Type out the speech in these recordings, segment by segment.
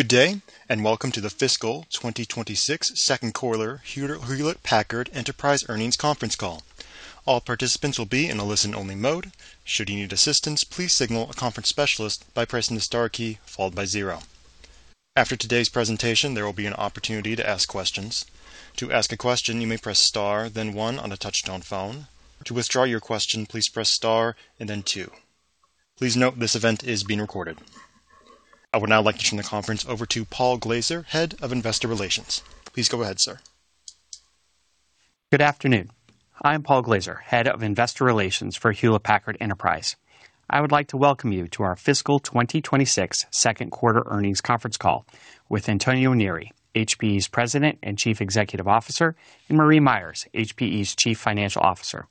Good day, and welcome to the fiscal 2026 second quarter Hewlett Packard Enterprise earnings conference call. All participants will be in a listen-only mode. Should you need assistance, please signal a conference specialist by pressing the star key followed by zero. After today's presentation, there will be an opportunity to ask questions. To ask a question, you may press star then one on a touch-tone phone. To withdraw your question, please press star and then two. Please note this event is being recorded. I would now like to turn the conference over to Paul Glaser, Head of Investor Relations. Please go ahead, sir. Good afternoon. I'm Paul Glaser, Head of Investor Relations for Hewlett Packard Enterprise. I would like to welcome you to our fiscal 2026 second quarter earnings conference call with Antonio Neri, HPE's President and Chief Executive Officer, and Marie Myers, HPE's Chief Financial Officer.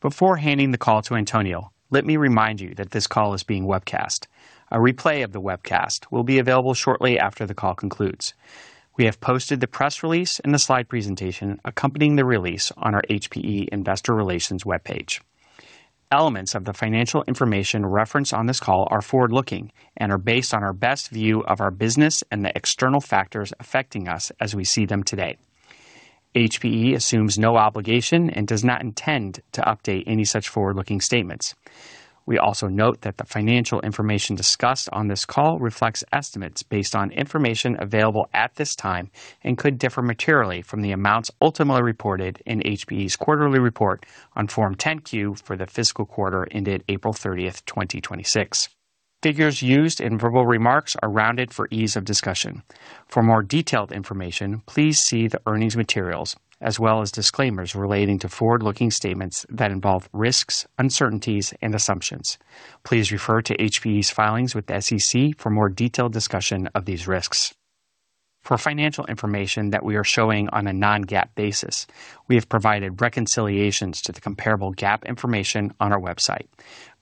Before handing the call to Antonio, let me remind you that this call is being webcast. A replay of the webcast will be available shortly after the call concludes. We have posted the press release and the slide presentation accompanying the release on our HPE Investor Relations webpage. Elements of the financial information referenced on this call are forward-looking and are based on our best view of our business and the external factors affecting us as we see them today. HPE assumes no obligation and does not intend to update any such forward-looking statements. We also note that the financial information discussed on this call reflects estimates based on information available at this time and could differ materially from the amounts ultimately reported in HPE's quarterly report on Form 10-Q for the fiscal quarter ended April 30th, 2026. Figures used in verbal remarks are rounded for ease of discussion. For more detailed information, please see the earnings materials as well as disclaimers relating to forward-looking statements that involve risks, uncertainties, and assumptions. Please refer to HPE's filings with the SEC for more detailed discussion of these risks. For financial information that we are showing on a non-GAAP basis, we have provided reconciliations to the comparable GAAP information on our website.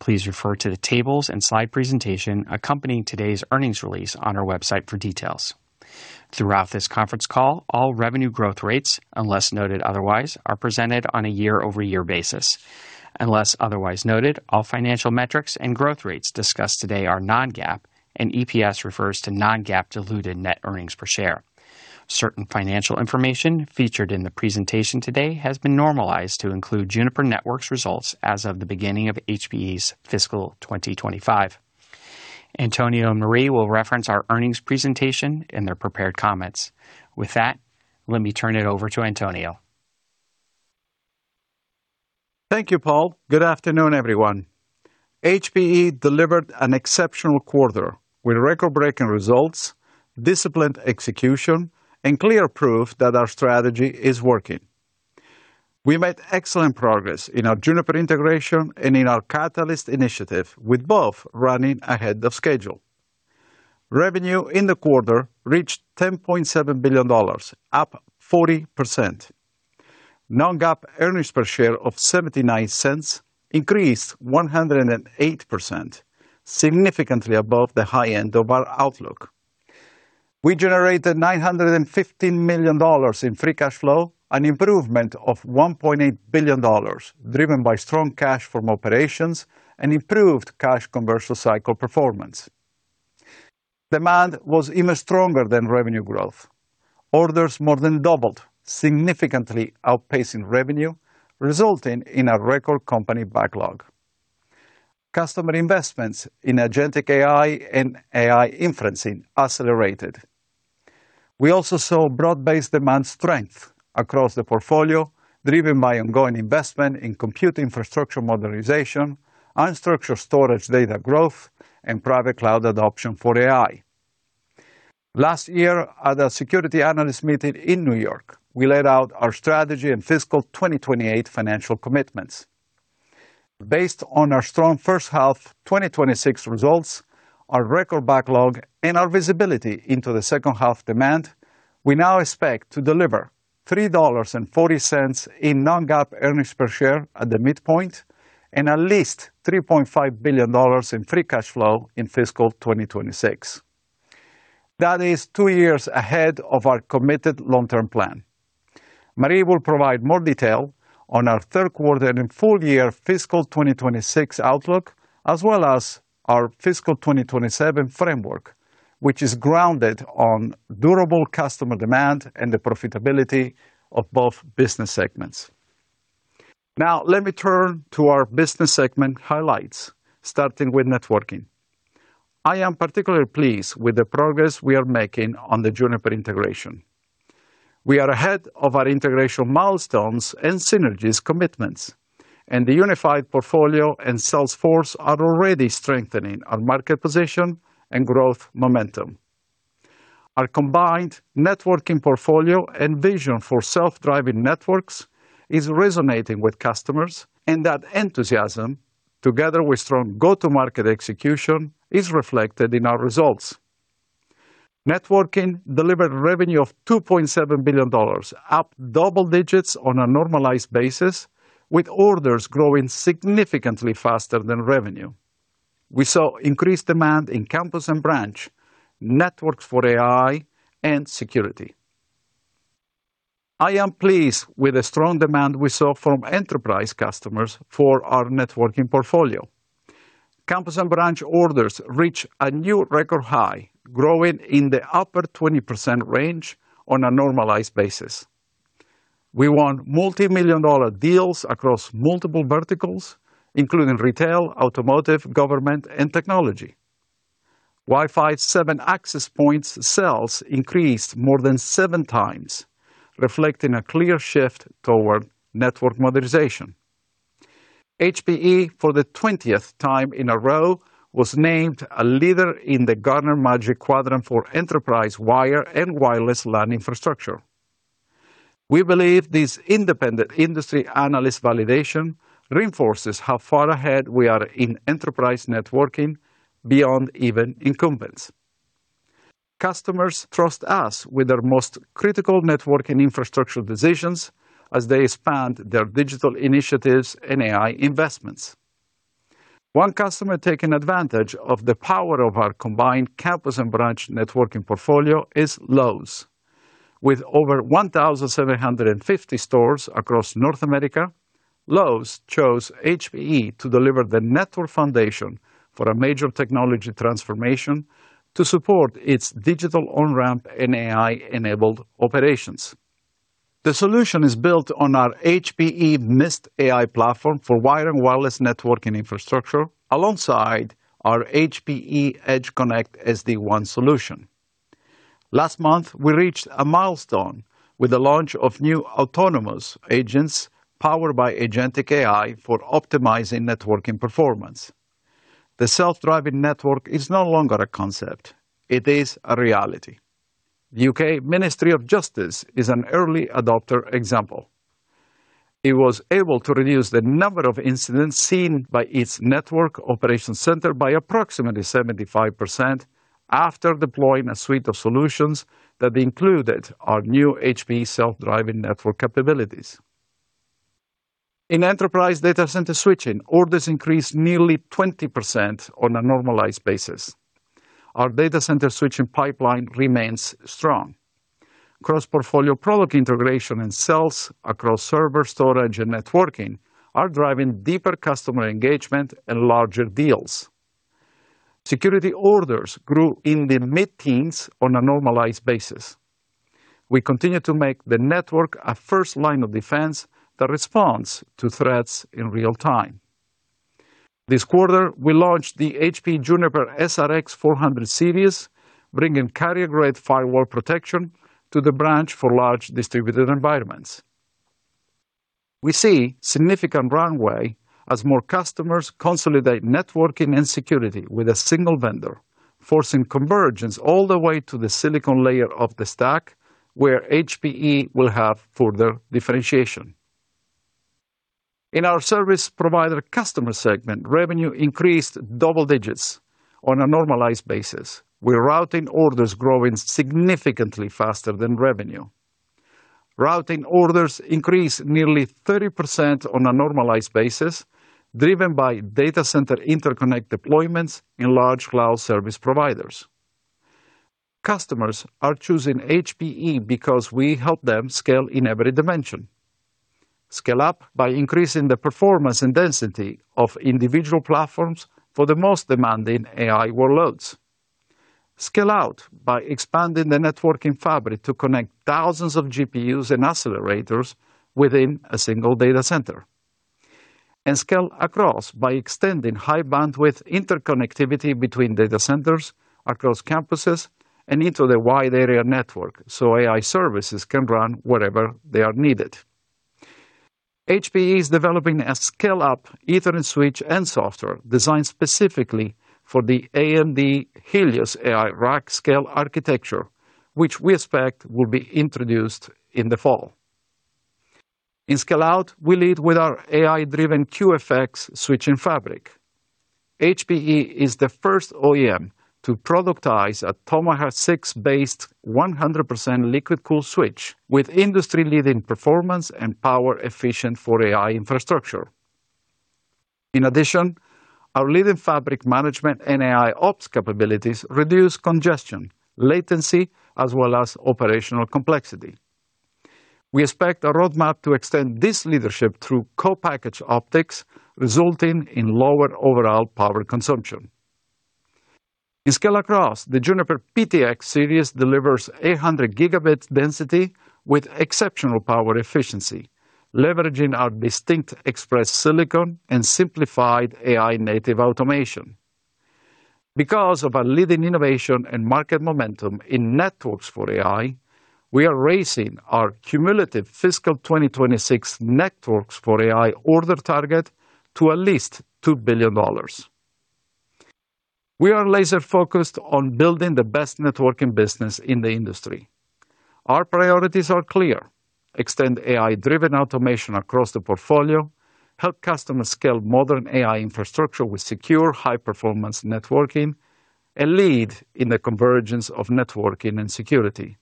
Please refer to the tables and slide presentation accompanying today's earnings release on our website for details. Throughout this conference call, all revenue growth rates, unless noted otherwise, are presented on a year-over-year basis. Unless otherwise noted, all financial metrics and growth rates discussed today are non-GAAP, and EPS refers to non-GAAP diluted net earnings per share. Certain financial information featured in the presentation today has been normalized to include Juniper Networks' results as of the beginning of HPE's fiscal 2025. Antonio and Marie will reference our earnings presentation in their prepared comments. With that, let me turn it over to Antonio. Thank you, Paul. Good afternoon, everyone. HPE delivered an exceptional quarter with record-breaking results, disciplined execution, and clear proof that our strategy is working. We made excellent progress in our Juniper integration and in our Catalyst initiative, with both running ahead of schedule. Revenue in the quarter reached $10.7 billion, up 40%. Non-GAAP earnings per share of $0.79 increased 108%, significantly above the high end of our outlook. We generated $915 million in free cash flow, an improvement of $1.8 billion, driven by strong cash from operations and improved cash conversion cycle performance. Demand was even stronger than revenue growth. Orders more than doubled, significantly outpacing revenue, resulting in a record company backlog. Customer investments in agentic AI and AI inferencing accelerated. We also saw broad-based demand strength across the portfolio, driven by ongoing investment in compute infrastructure modernization, unstructured storage data growth, and private cloud adoption for AI. Last year at our Securities Analyst Meeting in New York, we laid out our strategy and fiscal 2028 financial commitments. Based on our strong first half 2026 results, our record backlog, and our visibility into the second half demand, we now expect to deliver $3.40 in non-GAAP earnings per share at the midpoint and at least $3.5 billion in free cash flow in fiscal 2026. That is two years ahead of our committed long-term plan. Marie will provide more detail on our third quarter and full year fiscal 2026 outlook, as well as our fiscal 2027 framework, which is grounded on durable customer demand and the profitability of both business segments. Now let me turn to our business segment highlights, starting with networking. I am particularly pleased with the progress we are making on the Juniper integration. We are ahead of our integration milestones and synergies commitments, and the unified portfolio and sales force are already strengthening our market position and growth momentum. Our combined networking portfolio and vision for self-driving networks is resonating with customers, and that enthusiasm, together with strong go-to-market execution, is reflected in our results. Networking delivered revenue of $2.7 billion, up double digits on a normalized basis, with orders growing significantly faster than revenue. We saw increased demand in campus and branch, networks for AI, and security. I am pleased with the strong demand we saw from enterprise customers for our networking portfolio. Campus and branch orders reach a new record high, growing in the upper 20% range on a normalized basis. We won multimillion-dollar deals across multiple verticals, including retail, automotive, government, and technology. Wi-Fi 7 access points sales increased more than seven times, reflecting a clear shift toward network modernization. HPE, for the 20th time in a row, was named a leader in the Gartner Magic Quadrant for Enterprise Wired and Wireless LAN Infrastructure. We believe this independent industry analyst validation reinforces how far ahead we are in enterprise networking beyond even incumbents. Customers trust us with their most critical networking infrastructure decisions as they expand their digital initiatives and AI investments. One customer taking advantage of the power of our combined campus and branch networking portfolio is Lowe's. With over 1,750 stores across North America, Lowe's chose HPE to deliver the network foundation for a major technology transformation to support its digital on-ramp and AI-enabled operations. The solution is built on our HPE Mist AI platform for wired and wireless networking infrastructure, alongside our HPE EdgeConnect SD-WAN solution. Last month, we reached a milestone with the launch of new autonomous agents powered by agentic AI for optimizing networking performance. The self-driving network is no longer a concept. It is a reality. The U.K. Ministry of Justice is an early adopter example. It was able to reduce the number of incidents seen by its network operation center by approximately 75% after deploying a suite of solutions that included our new HPE self-driving network capabilities. In enterprise data center switching, orders increased nearly 20% on a normalized basis. Our data center switching pipeline remains strong. Cross-portfolio product integration and sales across server storage and networking are driving deeper customer engagement and larger deals. Security orders grew in the mid-teens on a normalized basis. We continue to make the network a first line of defense that responds to threats in real time. This quarter, we launched the HPE Juniper SRX400 Series, bringing carrier-grade firewall protection to the branch for large distributed environments. We see significant runway as more customers consolidate networking and security with a single vendor, forcing convergence all the way to the silicon layer of the stack, where HPE will have further differentiation. In our service provider customer segment, revenue increased double digits on a normalized basis, with routing orders growing significantly faster than revenue. Routing orders increased nearly 30% on a normalized basis, driven by data center interconnect deployments in large cloud service providers. Customers are choosing HPE because we help them scale in every dimension. Scale up by increasing the performance and density of individual platforms for the most demanding AI workloads. Scale out by expanding the networking fabric to connect thousands of GPUs and accelerators within a single data center. Scale across by extending high bandwidth interconnectivity between data centers, across campuses, and into the wide area network, so AI services can run wherever they are needed. HPE is developing a scale-up Ethernet switch and software designed specifically for the AMD Helios AI rack-scale architecture, which we expect will be introduced in the fall. In scale out, we lead with our AI-driven QFX Series switching fabric. HPE is the first OEM to productize a Tomahawk 6-based 100% liquid-cooled switch with industry-leading performance and power efficient for AI infrastructure. Our leading fabric management and AIOps capabilities reduce congestion, latency, as well as operational complexity. We expect our roadmap to extend this leadership through co-packaged optics, resulting in lower overall power consumption. In scale across, the Juniper PTX Series delivers 800 Gb density with exceptional power efficiency, leveraging our distinct express silicon and simplified AI native automation. Because of our leading innovation and market momentum in Networks for AI, we are raising our cumulative fiscal 2026 Networks for AI order target to at least $2 billion. We are laser-focused on building the best networking business in the industry. Our priorities are clear. Extend AI-driven automation across the portfolio, help customers scale modern AI infrastructure with secure high-performance networking, and lead in the convergence of networking and security.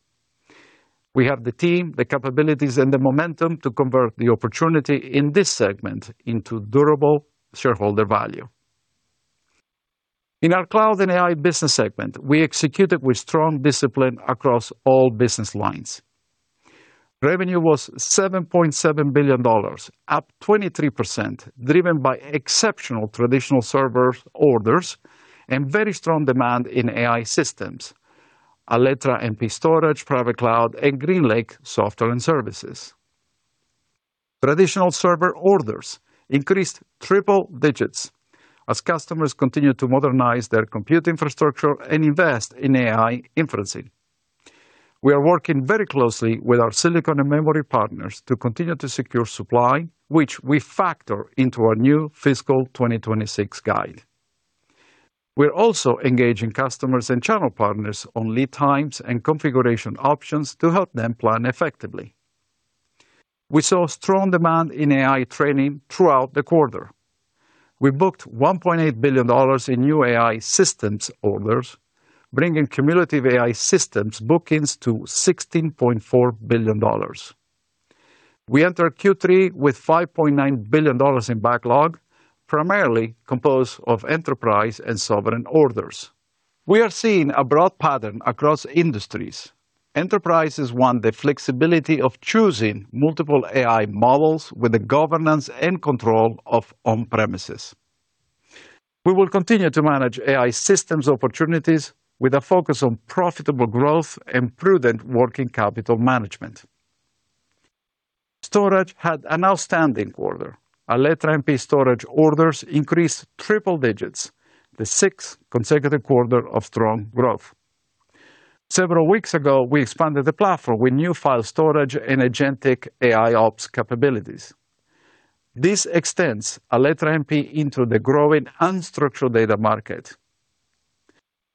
We have the team, the capabilities, and the momentum to convert the opportunity in this segment into durable shareholder value. In our Cloud and AI business segment, we executed with strong discipline across all business lines. Revenue was $7.7 billion, up 23%, driven by exceptional traditional server orders and very strong demand in AI systems, Alletra MP Storage, Private Cloud, and GreenLake software and services. Traditional server orders increased triple digits as customers continue to modernize their compute infrastructure and invest in AI inferencing. We are working very closely with our silicon and memory partners to continue to secure supply, which we factor into our new fiscal 2026 guide. We're also engaging customers and channel partners on lead times and configuration options to help them plan effectively. We saw strong demand in AI training throughout the quarter. We booked $1.8 billion in new AI systems orders, bringing cumulative AI systems bookings to $16.4 billion. We enter Q3 with $5.9 billion in backlog, primarily composed of enterprise and sovereign orders. We are seeing a broad pattern across industries. Enterprises want the flexibility of choosing multiple AI models with the governance and control of on-premises. We will continue to manage AI systems opportunities with a focus on profitable growth and prudent working capital management. Storage had an outstanding quarter. Alletra MP storage orders increased triple digits, the sixth consecutive quarter of strong growth. Several weeks ago, we expanded the platform with new file storage and agentic AIOps capabilities. This extends Alletra MP into the growing unstructured data market.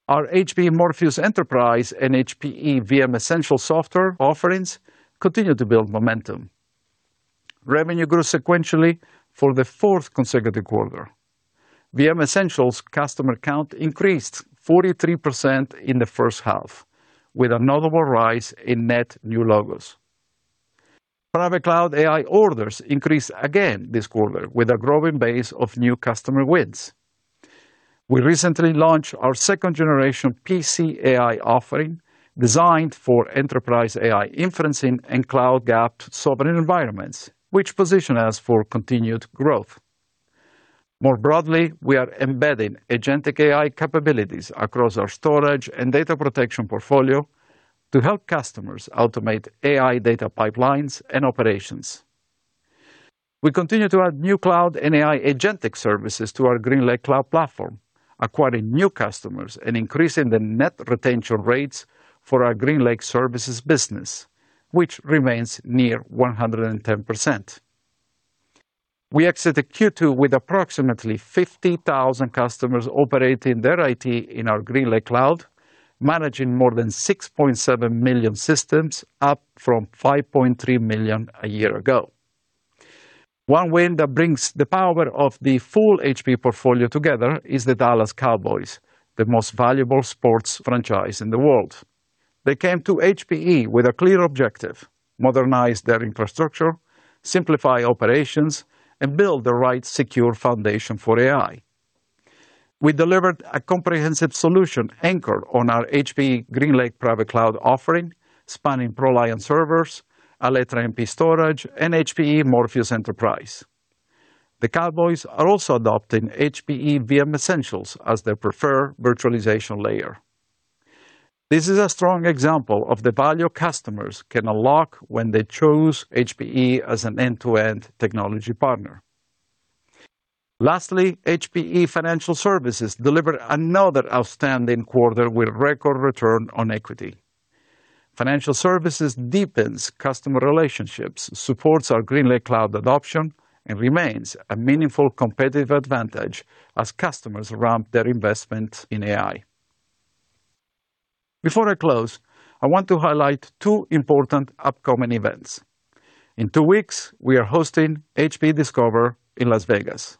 Our HPE Morpheus Enterprise and HPE VM Essentials software offerings continue to build momentum. Revenue grew sequentially for the fourth consecutive quarter. VM Essentials customer count increased 43% in the first half, with a notable rise in net new logos. Private Cloud AI orders increased again this quarter with a growing base of new customer wins. We recently launched our second-generation PCAI offering designed for enterprise AI inferencing and cloud gap sovereign environments, which position us for continued growth. More broadly, we are embedding agentic AI capabilities across our storage and data protection portfolio to help customers automate AI data pipelines and operations. We continue to add new cloud and AI agentic services to our GreenLake cloud platform, acquiring new customers and increasing the net retention rates for our HPE GreenLake services business, which remains near 110%. We exited Q2 with approximately 50,000 customers operating their IT in our GreenLake cloud, managing more than 6.7 million systems, up from 5.3 million a year ago. One win that brings the power of the full HPE portfolio together is the Dallas Cowboys, the most valuable sports franchise in the world. They came to HPE with a clear objective: modernize their infrastructure, simplify operations, and build the right secure foundation for AI. We delivered a comprehensive solution anchored on our HPE GreenLake for Private Cloud offering, spanning HPE ProLiant servers, Alletra Storage MP, and HPE Morpheus Enterprise. The Cowboys are also adopting HPE Morpheus VM Essentials as their preferred virtualization layer. This is a strong example of the value customers can unlock when they choose HPE as an end-to-end technology partner. Lastly, HPE Financial Services delivered another outstanding quarter with record return on equity. Financial Services deepens customer relationships, supports our GreenLake cloud adoption, and remains a meaningful competitive advantage as customers ramp their investment in AI. Before I close, I want to highlight two important upcoming events. In two weeks, we are hosting HPE Discover in Las Vegas.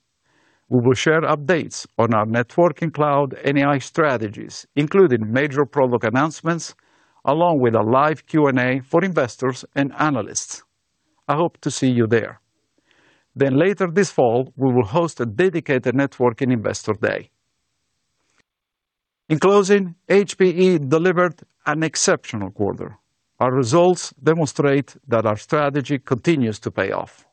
We will share updates on our networking, cloud, and AI strategies, including major product announcements along with a live Q&A for investors and analysts. I hope to see you there. Later this fall, we will host a dedicated Networking Investor Day. In closing, HPE delivered an exceptional quarter. Our results demonstrate that our strategy continues to pay off.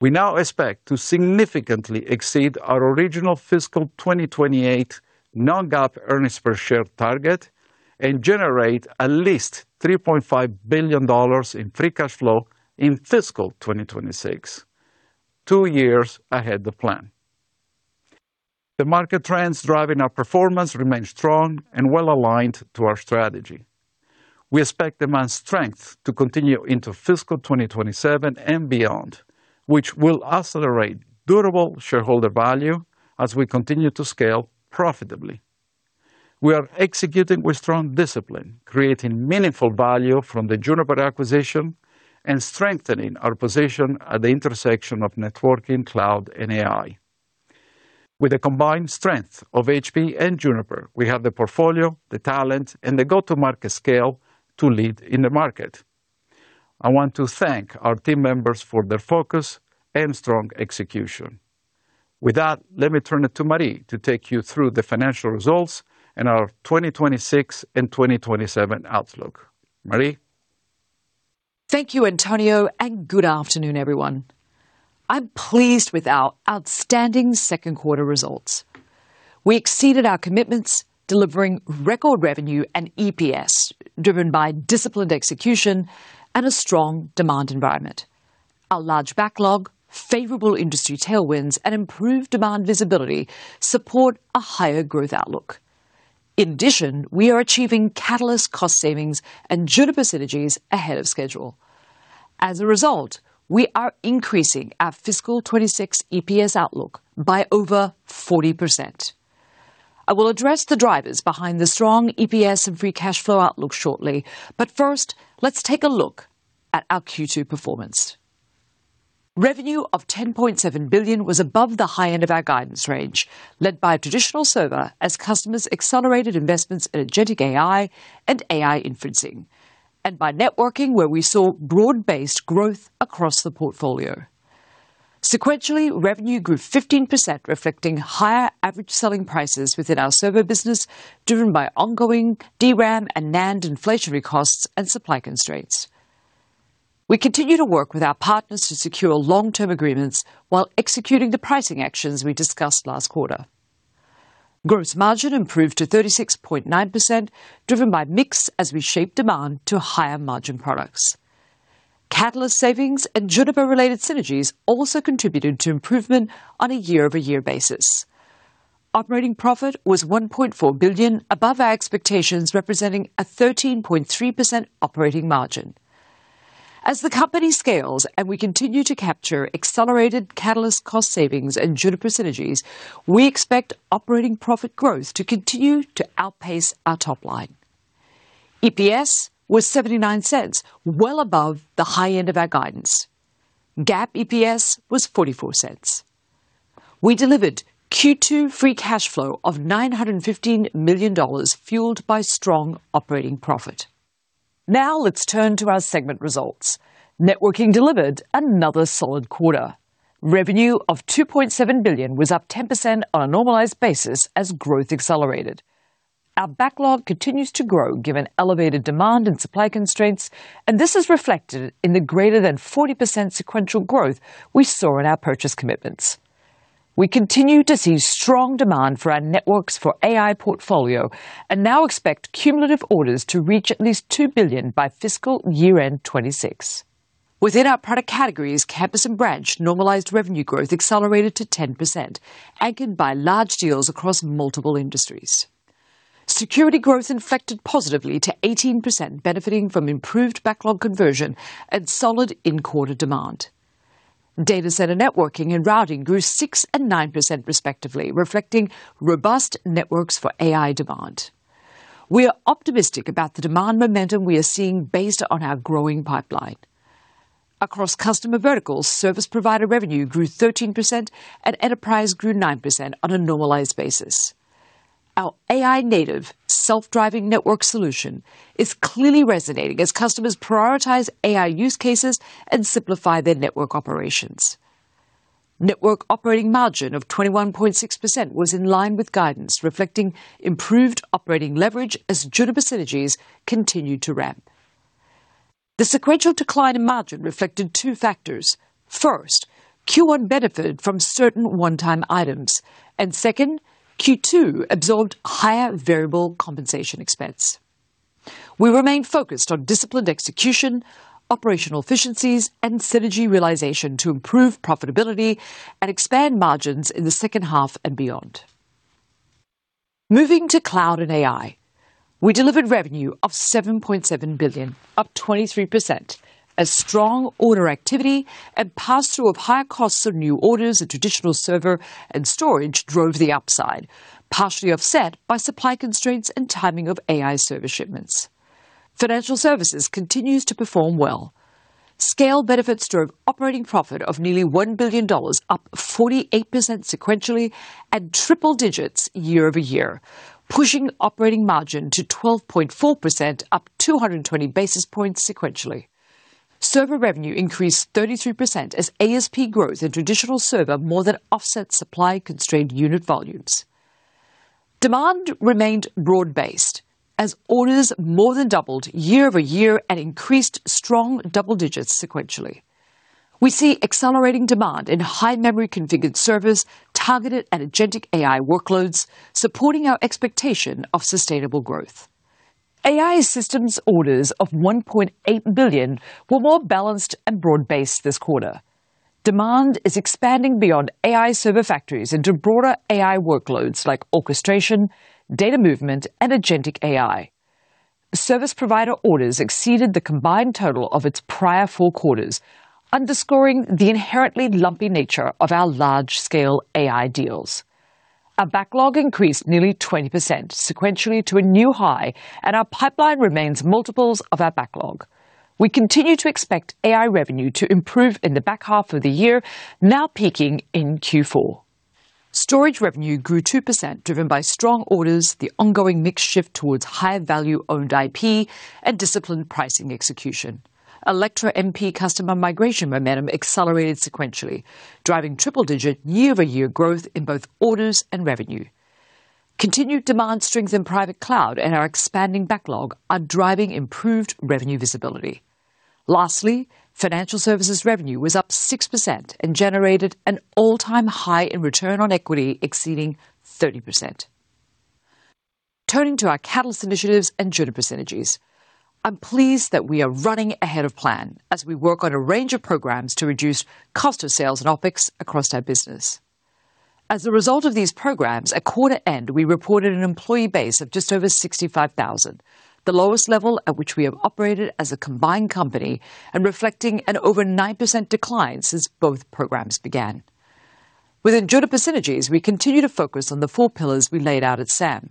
We now expect to significantly exceed our original fiscal 2028 non-GAAP earnings per share target and generate at least $3.5 billion in free cash flow in fiscal 2026, two years ahead of plan. The market trends driving our performance remain strong and well-aligned to our strategy. We expect demand strength to continue into fiscal 2027 and beyond, which will accelerate durable shareholder value as we continue to scale profitably. We are executing with strong discipline, creating meaningful value from the Juniper acquisition and strengthening our position at the intersection of networking, cloud, and AI. With the combined strength of HPE and Juniper, we have the portfolio, the talent, and the go-to-market scale to lead in the market. I want to thank our team members for their focus and strong execution. With that, let me turn it to Marie to take you through the financial results and our 2026 and 2027 outlook. Marie? Thank you, Antonio, and good afternoon, everyone. I'm pleased with our outstanding second quarter results. We exceeded our commitments, delivering record revenue and EPS, driven by disciplined execution and a strong demand environment. Our large backlog, favorable industry tailwinds, and improved demand visibility support a higher growth outlook. In addition, we are achieving Catalyst cost savings and Juniper synergies ahead of schedule. As a result, we are increasing our fiscal 2026 EPS outlook by over 40%. I will address the drivers behind the strong EPS and free cash flow outlook shortly. First, let's take a look at our Q2 performance. Revenue of $10.7 billion was above the high end of our guidance range, led by traditional server, as customers accelerated investments in agentic AI and AI inferencing, and by Networking, where we saw broad-based growth across the portfolio. Sequentially, revenue grew 15%, reflecting higher average selling prices within our server business, driven by ongoing DRAM and NAND inflationary costs and supply constraints. We continue to work with our partners to secure long-term agreements while executing the pricing actions we discussed last quarter. Gross margin improved to 36.9%, driven by mix as we shape demand to higher margin products. Catalyst savings and Juniper-related Synergies also contributed to improvement on a year-over-year basis. Operating profit was $1.4 billion, above our expectations, representing a 13.3% operating margin. As the company scales and we continue to capture accelerated Catalyst cost savings and Juniper Synergies, we expect operating profit growth to continue to outpace our top line. EPS was $0.79, well above the high end of our guidance. GAAP EPS was $0.44. We delivered Q2 free cash flow of $915 million, fueled by strong operating profit. Now let's turn to our segment results. Networking delivered another solid quarter. Revenue of $2.7 billion was up 10% on a normalized basis as growth accelerated. Our backlog continues to grow given elevated demand and supply constraints. This is reflected in the greater than 40% sequential growth we saw in our purchase commitments. We continue to see strong demand for our networks for AI portfolio. Now expect cumulative orders to reach at least $2 billion by fiscal year-end 2026. Within our product categories, campus and branch normalized revenue growth accelerated to 10%, anchored by large deals across multiple industries. Security growth inflected positively to 18%, benefiting from improved backlog conversion and solid in-quarter demand. Data center networking and routing grew 6% and 9% respectively, reflecting robust networks for AI demand. We are optimistic about the demand momentum we are seeing based on our growing pipeline. Across customer verticals, service provider revenue grew 13%, and enterprise grew 9% on a normalized basis. Our AI native self-driving network solution is clearly resonating as customers prioritize AI use cases and simplify their network operations. Network operating margin of 21.6% was in line with guidance, reflecting improved operating leverage as Juniper synergies continue to ramp. The sequential decline in margin reflected two factors. First, Q1 benefited from certain one-time items, and second, Q2 absorbed higher variable compensation expense. We remain focused on disciplined execution, operational efficiencies, and synergy realization to improve profitability and expand margins in the second half and beyond. Moving to cloud and AI, we delivered revenue of $7.7 billion, up 23%, as strong order activity and pass-through of higher costs of new orders and traditional server and storage drove the upside, partially offset by supply constraints and timing of AI server shipments. Financial Services continues to perform well. Scale benefits drove operating profit of nearly $1 billion, up 48% sequentially and triple digits year-over-year, pushing operating margin to 12.4%, up 220 basis points sequentially. Server revenue increased 33% as ASP growth in traditional server more than offset supply-constrained unit volumes. Demand remained broad-based as orders more than doubled year-over-year and increased strong double digits sequentially. We see accelerating demand in high memory configured servers targeted at agentic AI workloads, supporting our expectation of sustainable growth. AI systems orders of $1.8 billion were more balanced and broad-based this quarter. Demand is expanding beyond AI server factories into broader AI workloads like orchestration, data movement, and agentic AI. Service provider orders exceeded the combined total of its prior four quarters, underscoring the inherently lumpy nature of our large-scale AI deals. Our backlog increased nearly 20% sequentially to a new high, and our pipeline remains multiples of our backlog. We continue to expect AI revenue to improve in the back half of the year, now peaking in Q4. Storage revenue grew 2%, driven by strong orders, the ongoing mix shift towards higher-value owned IP, and disciplined pricing execution. Alletra MP customer migration momentum accelerated sequentially, driving triple-digit year-over-year growth in both orders and revenue. Continued demand strength in Private Cloud and our expanding backlog are driving improved revenue visibility. Lastly, Financial Services revenue was up 6% and generated an all-time high in return on equity exceeding 30%. Turning to our Catalyst initiatives and Juniper Synergies, I'm pleased that we are running ahead of plan as we work on a range of programs to reduce cost of sales and OpEx across our business. As a result of these programs, at quarter end, we reported an employee base of just over 65,000, the lowest level at which we have operated as a combined company and reflecting an over 9% decline since both programs began. Within Juniper Synergies, we continue to focus on the four pillars we laid out at SAM.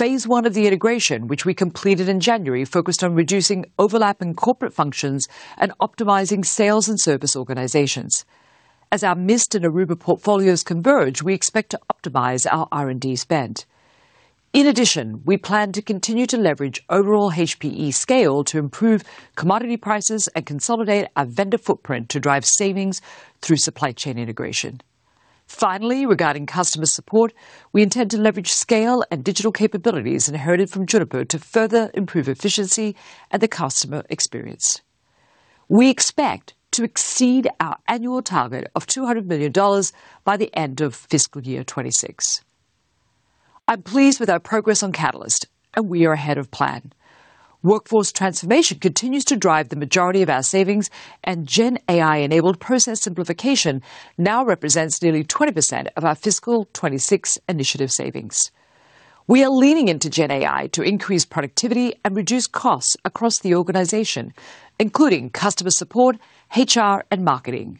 Phase 1 of the integration, which we completed in January, focused on reducing overlap in corporate functions and optimizing sales and service organizations. As our Mist and Aruba portfolios converge, we expect to optimize our R&D spend. In addition, we plan to continue to leverage overall HPE scale to improve commodity prices and consolidate our vendor footprint to drive savings through supply chain integration. Finally, regarding customer support, we intend to leverage scale and digital capabilities inherited from Juniper to further improve efficiency and the customer experience. We expect to exceed our annual target of $200 million by the end of fiscal year 2026. I'm pleased with our progress on Catalyst, and we are ahead of plan. Workforce transformation continues to drive the majority of our savings, and GenAI-enabled process simplification now represents nearly 20% of our fiscal 2026 initiative savings. We are leaning into GenAI to increase productivity and reduce costs across the organization, including customer support, HR, and marketing.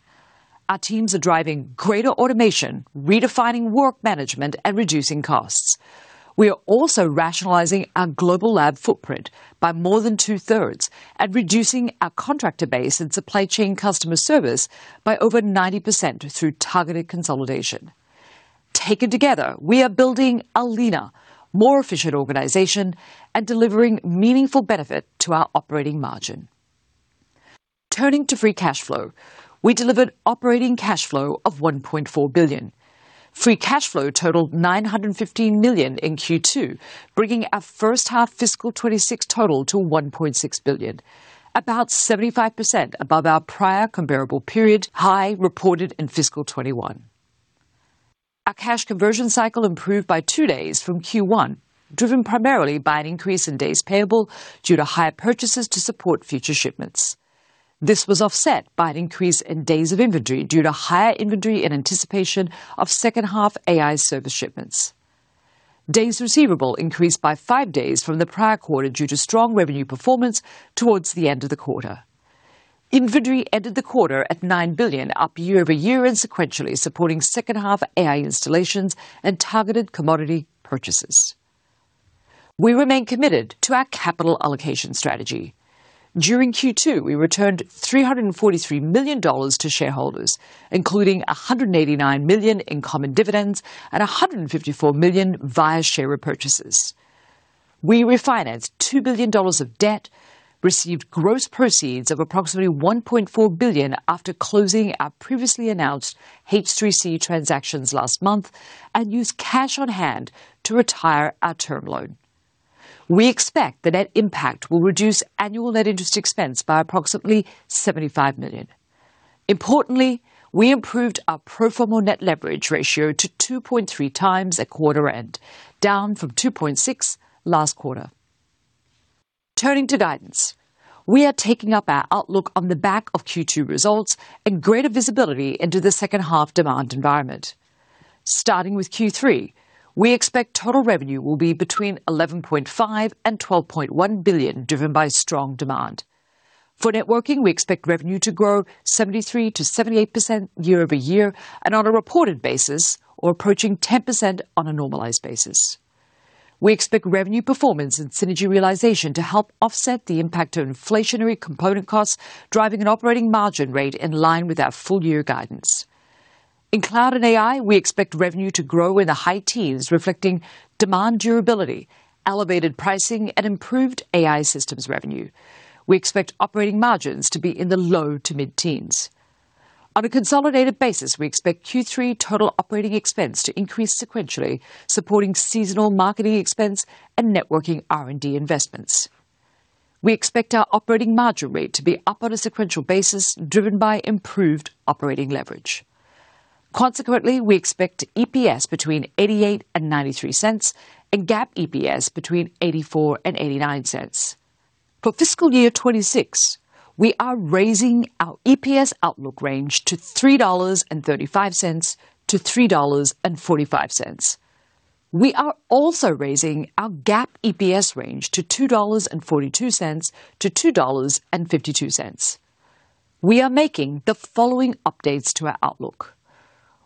Our teams are driving greater automation, redefining work management, and reducing costs. We are also rationalizing our global lab footprint by more than 2/3 and reducing our contractor base and supply chain customer service by over 90% through targeted consolidation. Taken together, we are building a leaner, more efficient organization and delivering meaningful benefit to our operating margin. Turning to free cash flow, we delivered operating cash flow of $1.4 billion. Free cash flow totaled $915 million in Q2, bringing our first-half fiscal 2026 total to $1.6 billion, about 75% above our prior comparable period high reported in fiscal 2021. Our cash conversion cycle improved by two days from Q1, driven primarily by an increase in days payable due to higher purchases to support future shipments. This was offset by an increase in days of inventory due to higher inventory in anticipation of second-half AI service shipments. Days receivable increased by five days from the prior quarter due to strong revenue performance towards the end of the quarter. Inventory ended the quarter at $9 billion, up year-over-year and sequentially, supporting second-half AI installations and targeted commodity purchases. We remain committed to our capital allocation strategy. During Q2, we returned $343 million to shareholders, including $189 million in common dividends and $154 million via share repurchases. We refinanced $2 billion of debt, received gross proceeds of approximately $1.4 billion after closing our previously announced H3C transactions last month, and used cash on hand to retire our term loan. We expect the net impact will reduce annual net interest expense by approximately $75 million. Importantly, we improved our pro forma net leverage ratio to 2.3x at quarter end, down from 2.6x last quarter. Turning to guidance, we are taking up our outlook on the back of Q2 results and greater visibility into the second-half demand environment. Starting with Q3, we expect total revenue will be between $11.5 billion and $12.1 billion, driven by strong demand. For Networking, we expect revenue to grow 73%-78% year-over-year and on a reported basis or approaching 10% on a normalized basis. We expect revenue performance and synergy realization to help offset the impact of inflationary component costs, driving an operating margin rate in line with our full-year guidance. In Cloud and AI, we expect revenue to grow in the high teens, reflecting demand durability, elevated pricing, and improved AI systems revenue. We expect operating margins to be in the low to mid-teens. On a consolidated basis, we expect Q3 total operating expense to increase sequentially, supporting seasonal marketing expense and networking R&D investments. We expect our operating margin rate to be up on a sequential basis, driven by improved operating leverage. Consequently, we expect EPS between $0.88 and $0.93 and GAAP EPS between $0.84 and $0.89. For fiscal year 2026, we are raising our EPS outlook range to $3.35 to $3.45. We are also raising our GAAP EPS range to $2.42 to $2.52. We are making the following updates to our outlook.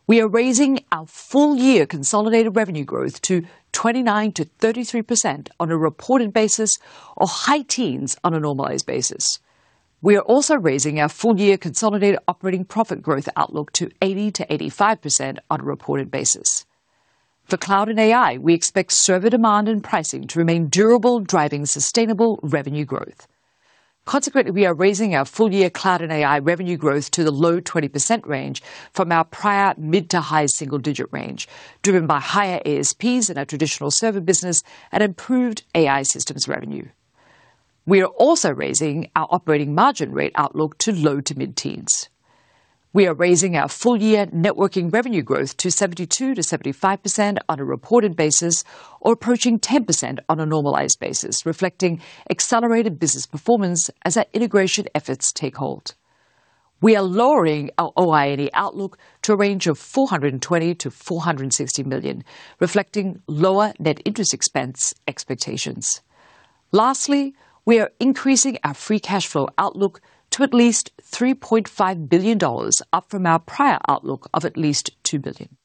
We are raising our full-year consolidated revenue growth to 29%-33% on a reported basis or high teens on a normalized basis. We are also raising our full-year consolidated operating profit growth outlook to 80%-85% on a reported basis. For Cloud and AI, we expect server demand and pricing to remain durable, driving sustainable revenue growth. Consequently, we are raising our full-year Cloud and AI revenue growth to the low 20% range from our prior mid to high single-digit range, driven by higher ASPs in our traditional server business and improved AI systems revenue. We are also raising our operating margin rate outlook to low to mid-teens. We are raising our full-year networking revenue growth to 72%-75% on a reported basis or approaching 10% on a normalized basis, reflecting accelerated business performance as our integration efforts take hold. We are lowering our OID outlook to a range of $420 million-$460 million, reflecting lower net interest expense expectations. Lastly, we are increasing our free cash flow outlook to at least $3.5 billion, up from our prior outlook of at least $2 billion.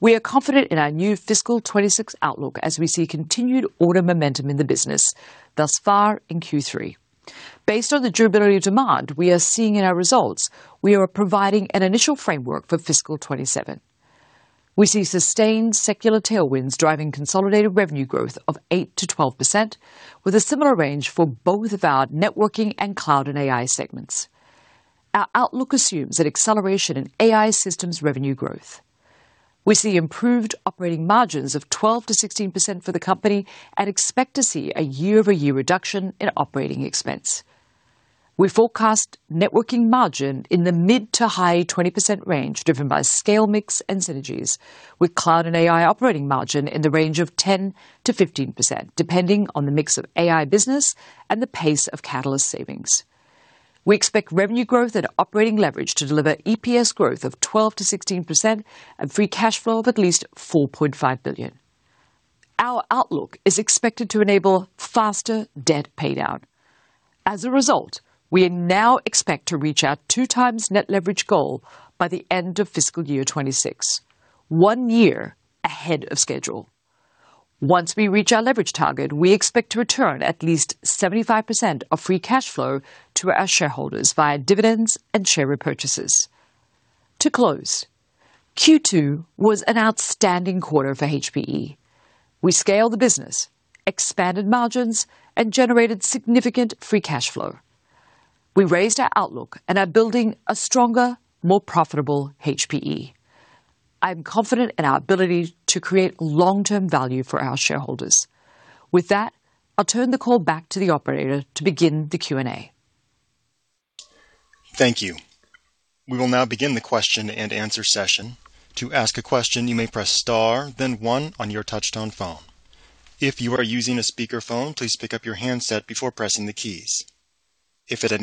We are confident in our new fiscal 2026 outlook as we see continued order momentum in the business thus far in Q3. Based on the durability of demand we are seeing in our results, we are providing an initial framework for fiscal 2027. We see sustained secular tailwinds driving consolidated revenue growth of 8%-12%, with a similar range for both of our networking and cloud and AI segments. Our outlook assumes an acceleration in AI systems revenue growth. We see improved operating margins of 12%-16% for the company and expect to see a year-over-year reduction in OpEx. We forecast networking margin in the mid to high 20% range, driven by scale mix and Synergies. With cloud and AI operating margin in the range of 10%-15%, depending on the mix of AI business and the pace of Catalyst savings. We expect revenue growth and operating leverage to deliver EPS growth of 12%-16% and free cash flow of at least $4.5 billion. Our outlook is expected to enable faster debt paydown. As a result, we now expect to reach our 2x net leverage goal by the end of fiscal year 2026, one year ahead of schedule. Once we reach our leverage target, we expect to return at least 75% of free cash flow to our shareholders via dividends and share repurchases. To close, Q2 was an outstanding quarter for HPE. We scaled the business, expanded margins, and generated significant free cash flow. We raised our outlook and are building a stronger, more profitable HPE. I'm confident in our ability to create long-term value for our shareholders. With that, I'll turn the call back to the operator to begin the Q&A. Thank you. We will now begin the question-and-answer session. The first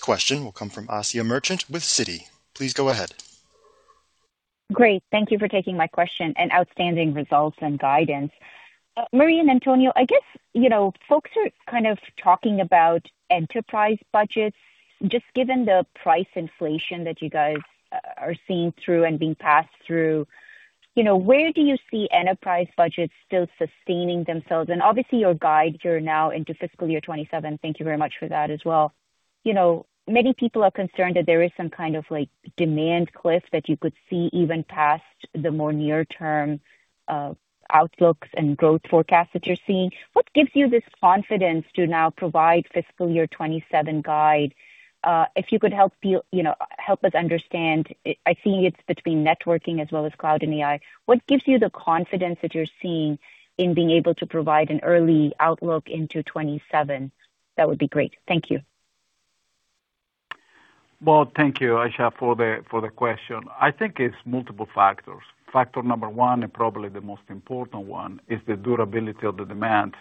question will come from Asiya Merchant with Citi. Please go ahead. Great. Thank you for taking my question. Outstanding results and guidance. Marie and Antonio, I guess, folks are kind of talking about enterprise budgets. Just given the price inflation that you guys are seeing through and being passed through, where do you see enterprise budgets still sustaining themselves? Obviously your guide, you're now into FY2027. Thank you very much for that as well. Many people are concerned that there is some kind of demand cliff that you could see even past the more near-term outlooks and growth forecasts that you're seeing. What gives you this confidence to now provide FY2027 guide? If you could help us understand, I see it's between networking as well as cloud and AI. What gives you the confidence that you're seeing in being able to provide an early outlook into 2027? That would be great. Thank you. Thank you, Asiya, for the question. I think it's multiple factors. Factor number one, and probably the most important one, is the durability of the demand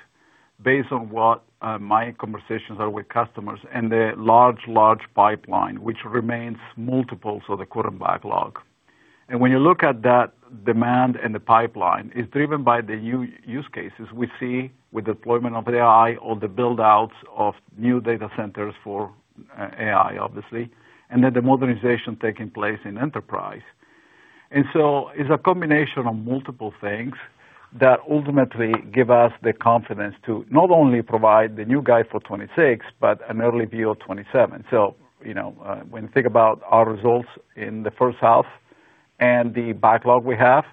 based on what my conversations are with customers and the large pipeline, which remains multiples of the current backlog. When you look at that demand and the pipeline, it's driven by the new use cases we see with deployment of AI or the buildouts of new data centers for AI, obviously, and then the modernization taking place in enterprise. It's a combination of multiple things that ultimately give us the confidence to not only provide the new guide for 2026 but an early view of 2027. When you think about our results in the first half and the backlog we have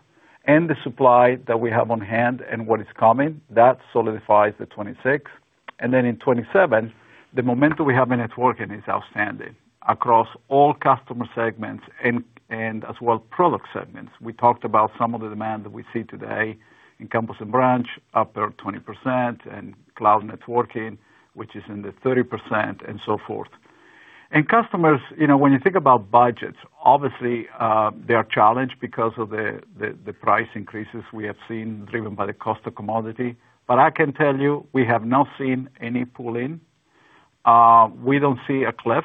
and the supply that we have on hand and what is coming, that solidifies the 2026. Then in 2027, the momentum we have in networking is outstanding across all customer segments and as well product segments. We talked about some of the demand that we see today in campus and branch, up there 20%, and cloud networking, which is in the 30%, and so forth. Customers, when you think about budgets, obviously, they are challenged because of the price increases we have seen driven by the cost of commodity. I can tell you, we have not seen any pull-in. We don't see a cliff.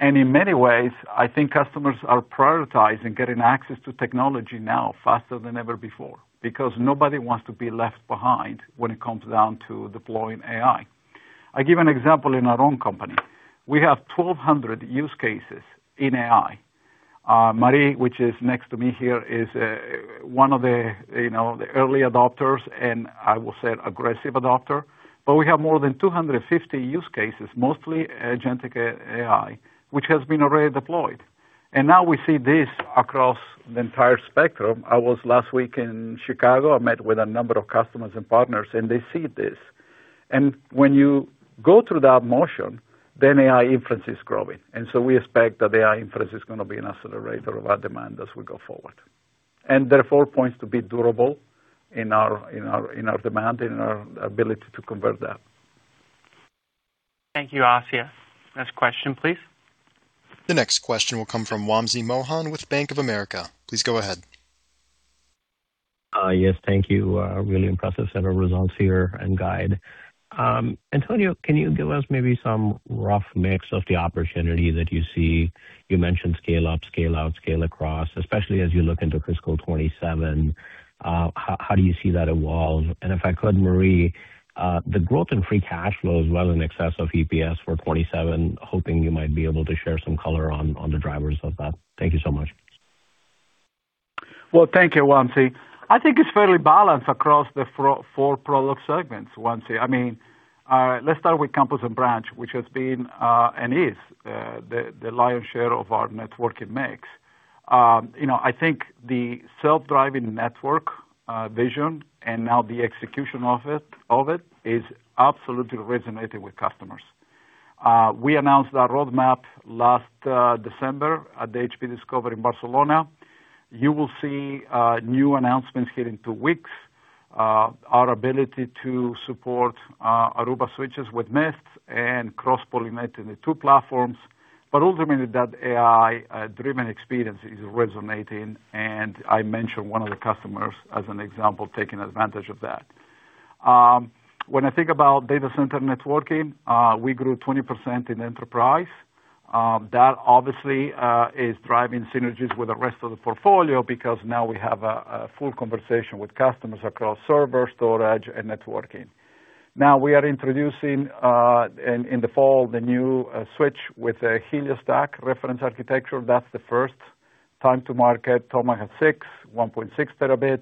In many ways, I think customers are prioritizing getting access to technology now faster than ever before, because nobody wants to be left behind when it comes down to deploying AI. I give an example in our own company. We have 1,200 use cases in AI. Marie, which is next to me here, is one of the early adopters, and I will say an aggressive adopter. We have more than 250 use cases, mostly agentic AI, which has been already deployed. Now we see this across the entire spectrum. I was last week in Chicago. I met with a number of customers and partners, and they see this. When you go through that motion, AI inference is growing. We expect that AI inference is going to be an accelerator of our demand as we go forward. Therefore, points to be durable in our demand, in our ability to convert that. Thank you. Asiya, next question, please. The next question will come from Wamsi Mohan with Bank of America. Please go ahead. Yes, thank you. A really impressive set of results here and guide. Antonio, can you give us maybe some rough mix of the opportunity that you see? You mentioned scale up, scale out, scale across, especially as you look into fiscal 2027. How do you see that evolve? If I could, Marie, the growth in free cash flow as well in excess of EPS for 2027, hoping you might be able to share some color on the drivers of that. Thank you so much. Well, thank you, Wamsi. I think it's fairly balanced across the four product segments, Wamsi. Let's start with campus and branch, which has been, and is, the lion's share of our networking mix. I think the self-driving network vision and now the execution of it is absolutely resonating with customers. We announced our roadmap last December at the HPE Discover in Barcelona. You will see new announcements here in two weeks. Our ability to support Aruba switches with Mist and cross-pollinating the two platforms. Ultimately, that AI-driven experience is resonating, and I mentioned one of the customers as an example, taking advantage of that. When I think about data center networking, we grew 20% in enterprise. That obviously is driving synergies with the rest of the portfolio because now we have a full conversation with customers across server, storage, and networking. We are introducing, in the fall, the new switch with a Helios stack reference architecture. That's the first time to market. Tomahawk 6, 1.6 Tb.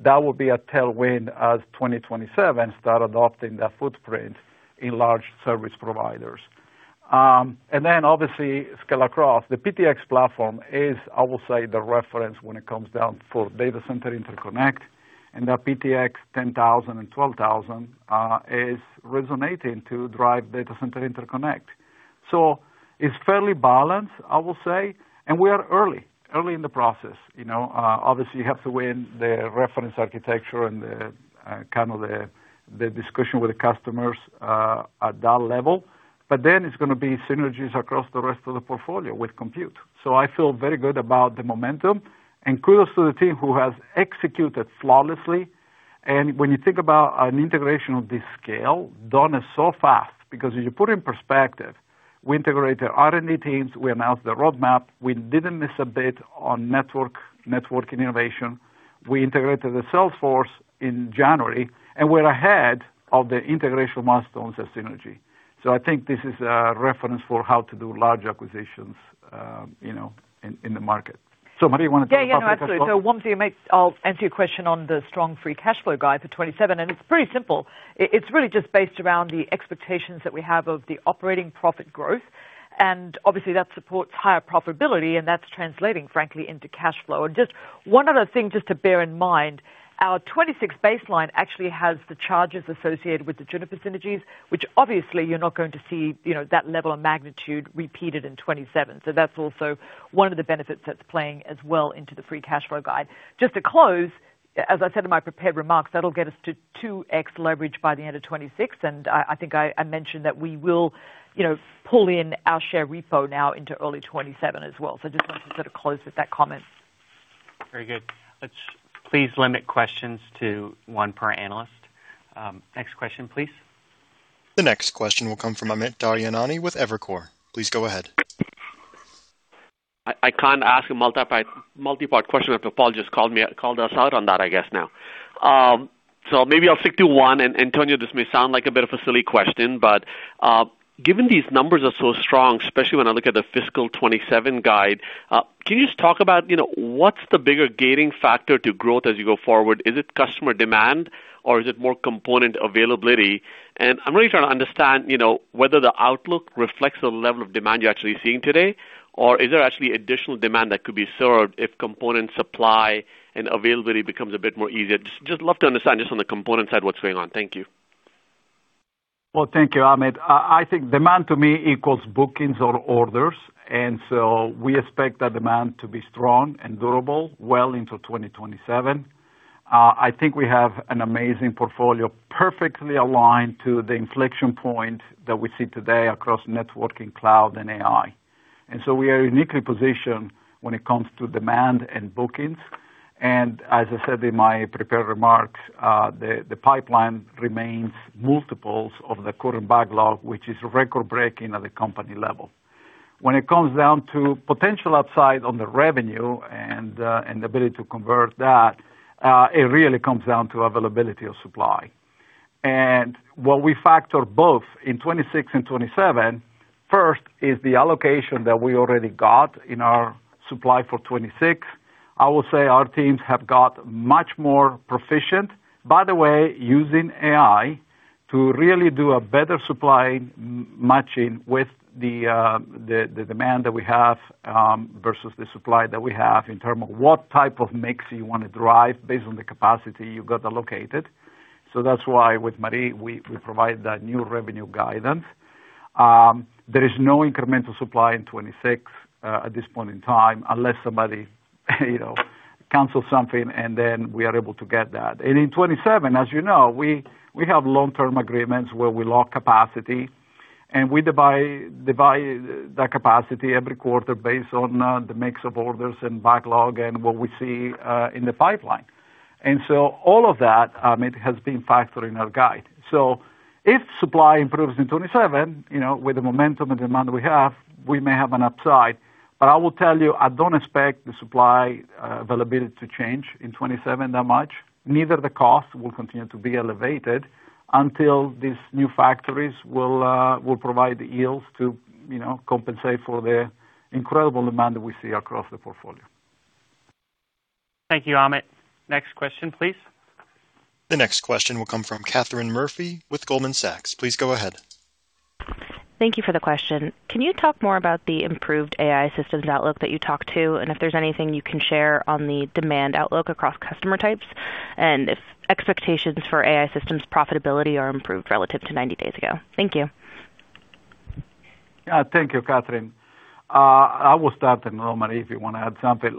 That will be a tailwind as 2027 start adopting that footprint in large service providers. Then obviously scale across. The PTX platform is, I will say, the reference when it comes down for data center interconnect, and that PTX10000 and PTX12000 is resonating to drive data center interconnect. It's fairly balanced, I will say, and we are early in the process. Obviously, you have to win the reference architecture and the discussion with the customers at that level. Then it's going to be synergies across the rest of the portfolio with compute. I feel very good about the momentum. Kudos to the team who has executed flawlessly. When you think about an integration of this scale, done so fast, because if you put in perspective, we integrated R&D teams, we announced the roadmap, we didn't miss a bit on networking innovation. We integrated the sales force in January, we're ahead of the integration milestones and synergy. I think this is a reference for how to do large acquisitions in the market. Marie, you want to do the free cash flow? Absolutely. Wamsi, I'll answer your question on the strong free cash flow guide for 2027, and it's pretty simple. It's really just based around the expectations that we have of the operating profit growth, and obviously that supports higher profitability and that's translating, frankly, into cash flow. Just one other thing just to bear in mind, our 2026 baseline actually has the charges associated with the Juniper Synergies, which obviously you're not going to see that level of magnitude repeated in 2027. That's also one of the benefits that's playing as well into the free cash flow guide. Just to close, as I said in my prepared remarks, that'll get us to 2x leverage by the end of 2026, and I think I mentioned that we will pull in our share repo now into early 2027 as well. Just wanted to sort of close with that comment. Very good. Let's please limit questions to one per analyst. Next question please. The next question will come from Amit Daryanani with Evercore. Please go ahead. I can't ask a multi-part question. Paul just called us out on that, I guess, now. Maybe I'll stick to one. Antonio, this may sound like a bit of a silly question, but given these numbers are so strong, especially when I look at the fiscal 2027 guide, can you just talk about what's the bigger gating factor to growth as you go forward? Is it customer demand or is it more component availability? I'm really trying to understand whether the outlook reflects the level of demand you're actually seeing today, or is there actually additional demand that could be served if component supply and availability becomes a bit more easier? Just love to understand just on the component side what's going on. Thank you. Well, thank you, Amit. I think demand to me equals bookings or orders, and so we expect that demand to be strong and durable well into 2027. I think we have an amazing portfolio, perfectly aligned to the inflection point that we see today across networking, Cloud, and AI. We are uniquely positioned when it comes to demand and bookings. As I said in my prepared remarks, the pipeline remains multiples of the current backlog, which is record-breaking at the company level. When it comes down to potential upside on the revenue and the ability to convert that, it really comes down to availability of supply. What we factor both in 2026 and 2027, first is the allocation that we already got in our supply for 2026. I will say our teams have got much more proficient, by the way, using AI to really do a better supply matching with the demand that we have versus the supply that we have in terms of what type of mix you want to drive based on the capacity you got allocated. That's why with Marie, we provide that new revenue guidance. There is no incremental supply in 2026 at this point in time unless somebody cancels something, and then we are able to get that. In 2027, as you know, we have long-term agreements where we lock capacity, and we divide that capacity every quarter based on the mix of orders and backlog and what we see in the pipeline. All of that, Amit, has been factored in our guide. If supply improves in 2027, with the momentum and demand we have, we may have an upside. I will tell you, I don't expect the supply availability to change in 2027 that much. Neither the cost will continue to be elevated until these new factories will provide the yields to compensate for the incredible demand that we see across the portfolio. Thank you, Amit. Next question, please. The next question will come from Katherine Murphy with Goldman Sachs. Please go ahead. Thank you for the question. Can you talk more about the improved AI systems outlook that you talked to? If there's anything you can share on the demand outlook across customer types and if expectations for AI systems profitability are improved relative to 90 days ago. Thank you. Thank you, Katherine. I will start, and then Marie, if you want to add something.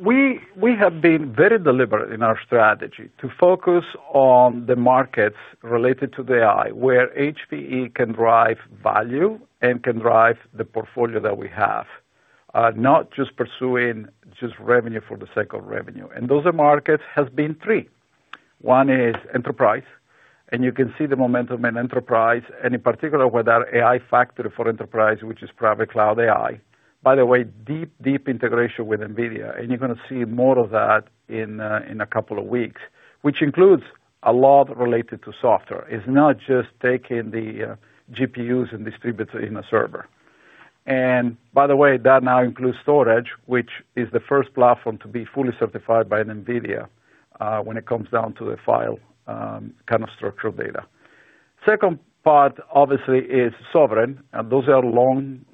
Look, we have been very deliberate in our strategy to focus on the markets related to the AI, where HPE can drive value and can drive the portfolio that we have. Not just pursuing just revenue for the sake of revenue. Those markets have been three. One is enterprise, you can see the momentum in enterprise, and in particular with our AI factory for enterprise, which is Private Cloud AI. By the way, deep integration with NVIDIA, you're going to see more of that in a couple of weeks, which includes a lot related to software. It's not just taking the GPUs and distributing a server. By the way, that now includes storage, which is the first platform to be fully certified by NVIDIA, when it comes down to the file kind of structural data. Second part, obviously, is sovereign. Those are long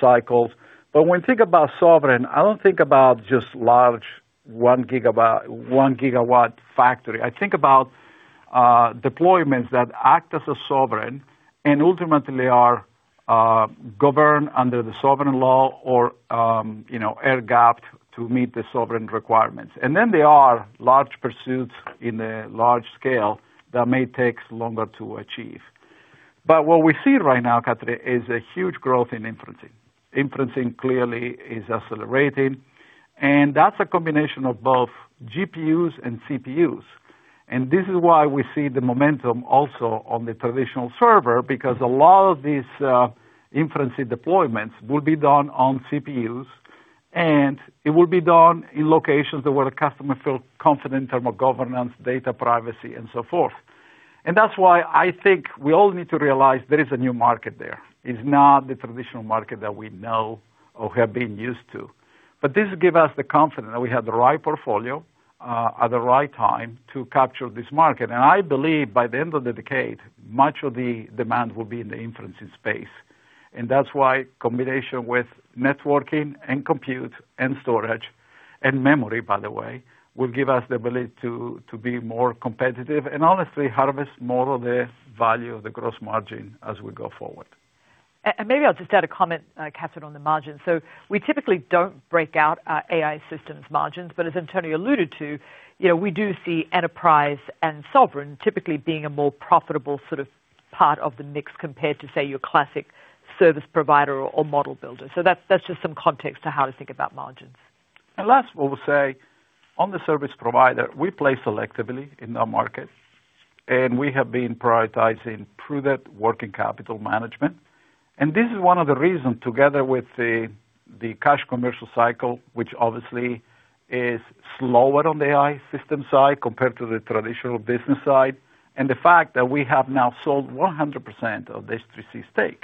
cycles. When we think about sovereign, I don't think about just large 1-GW factory. I think about deployments that act as a sovereign and ultimately are governed under the sovereign law or air-gapped to meet the sovereign requirements. Then there are large pursuits in the large scale that may take longer to achieve. What we see right now, Katherine, is a huge growth in inferencing. Inferencing clearly is accelerating, and that's a combination of both GPUs and CPUs. This is why we see the momentum also on the traditional server, because a lot of these inferencing deployments will be done on CPUs, and it will be done in locations where the customer feels confident in terms of governance, data privacy, and so forth. That's why I think we all need to realize there is a new market there. It's not the traditional market that we know or have been used to. This gives us the confidence that we have the right portfolio at the right time to capture this market. I believe by the end of the decade, much of the demand will be in the inferencing space. That's why combination with networking and compute and storage, and memory, by the way, will give us the ability to be more competitive and honestly harvest more of the value of the gross margin as we go forward. Maybe I'll just add a comment, Katherine, on the margin. We typically don't break out our AI systems margins, but as Antonio alluded to, we do see enterprise and sovereign typically being a more profitable part of the mix compared to, say, your classic service provider or model builder. That's just some context to how to think about margins. Last, what we'll say, on the service provider, we play selectively in our market, and we have been prioritizing prudent working capital management. This is one of the reasons, together with the cash commercial cycle, which obviously is slower on the AI system side compared to the traditional business side, and the fact that we have now sold 100% of the H3C stake,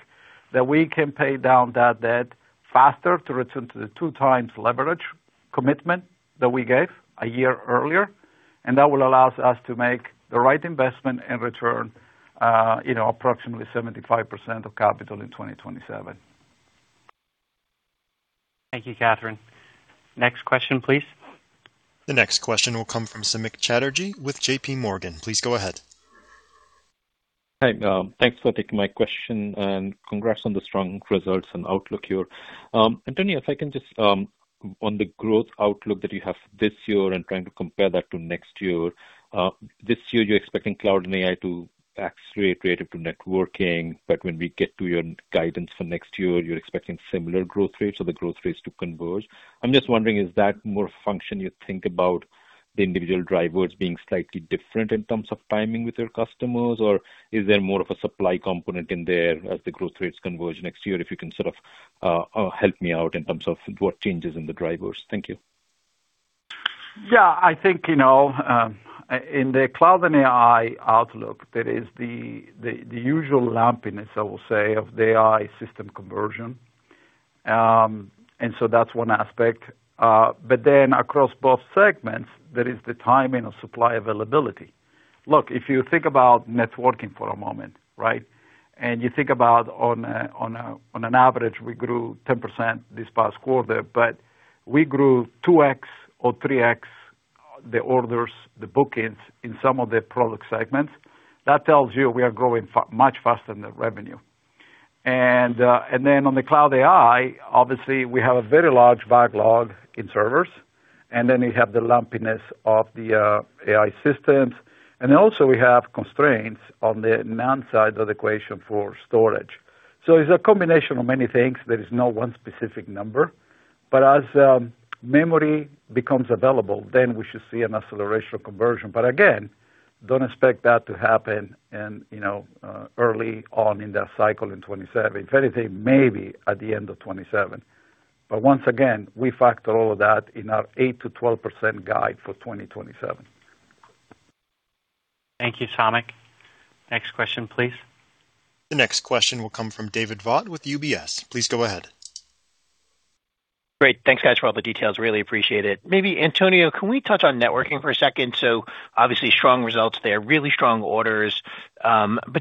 that we can pay down that debt faster to return to the 2x leverage commitment that we gave a year earlier. That will allow us to make the right investment and return approximately 75% of capital in 2027. Thank you, Katherine. Next question, please. The next question will come from Samik Chatterjee with JPMorgan. Please go ahead. Hi. Thanks for taking my question, and congrats on the strong results and outlook here. Antonio, if I can just on the growth outlook that you have this year and trying to compare that to next year. This year, you're expecting cloud and AI to accelerate relative to networking, but when we get to your guidance for next year, you're expecting similar growth rates, so the growth rates to converge. I'm just wondering, is that more a function you think about The individual drivers being slightly different in terms of timing with their customers, or is there more of a supply component in there as the growth rates converge next year? If you can sort of help me out in terms of what changes in the drivers. Thank you. Yeah, I think, in the cloud and AI outlook, there is the usual lumpiness, I will say, of the AI system conversion. That's one aspect. Across both segments, there is the timing of supply availability. Look, if you think about networking for a moment, right? You think about on an average, we grew 10% this past quarter, but we grew 2x or 3x the orders, the bookings in some of the product segments. That tells you we are growing much faster than the revenue. On the cloud AI, obviously, we have a very large backlog in servers, and then we have the lumpiness of the AI systems, and also we have constraints on the NAND side of the equation for storage. It's a combination of many things. There is no one specific number, but as memory becomes available, then we should see an acceleration of conversion. Again, don't expect that to happen early on in the cycle in 2027. Fair to say maybe at the end of 2027. Once again, we factor all of that in our 8%-12% guide for 2027. Thank you, Samik. Next question, please. The next question will come from David Vogt with UBS. Please go ahead. Great. Thanks, guys, for all the details. Really appreciate it. Maybe Antonio, can we touch on Networking for a second? Obviously strong results there, really strong orders.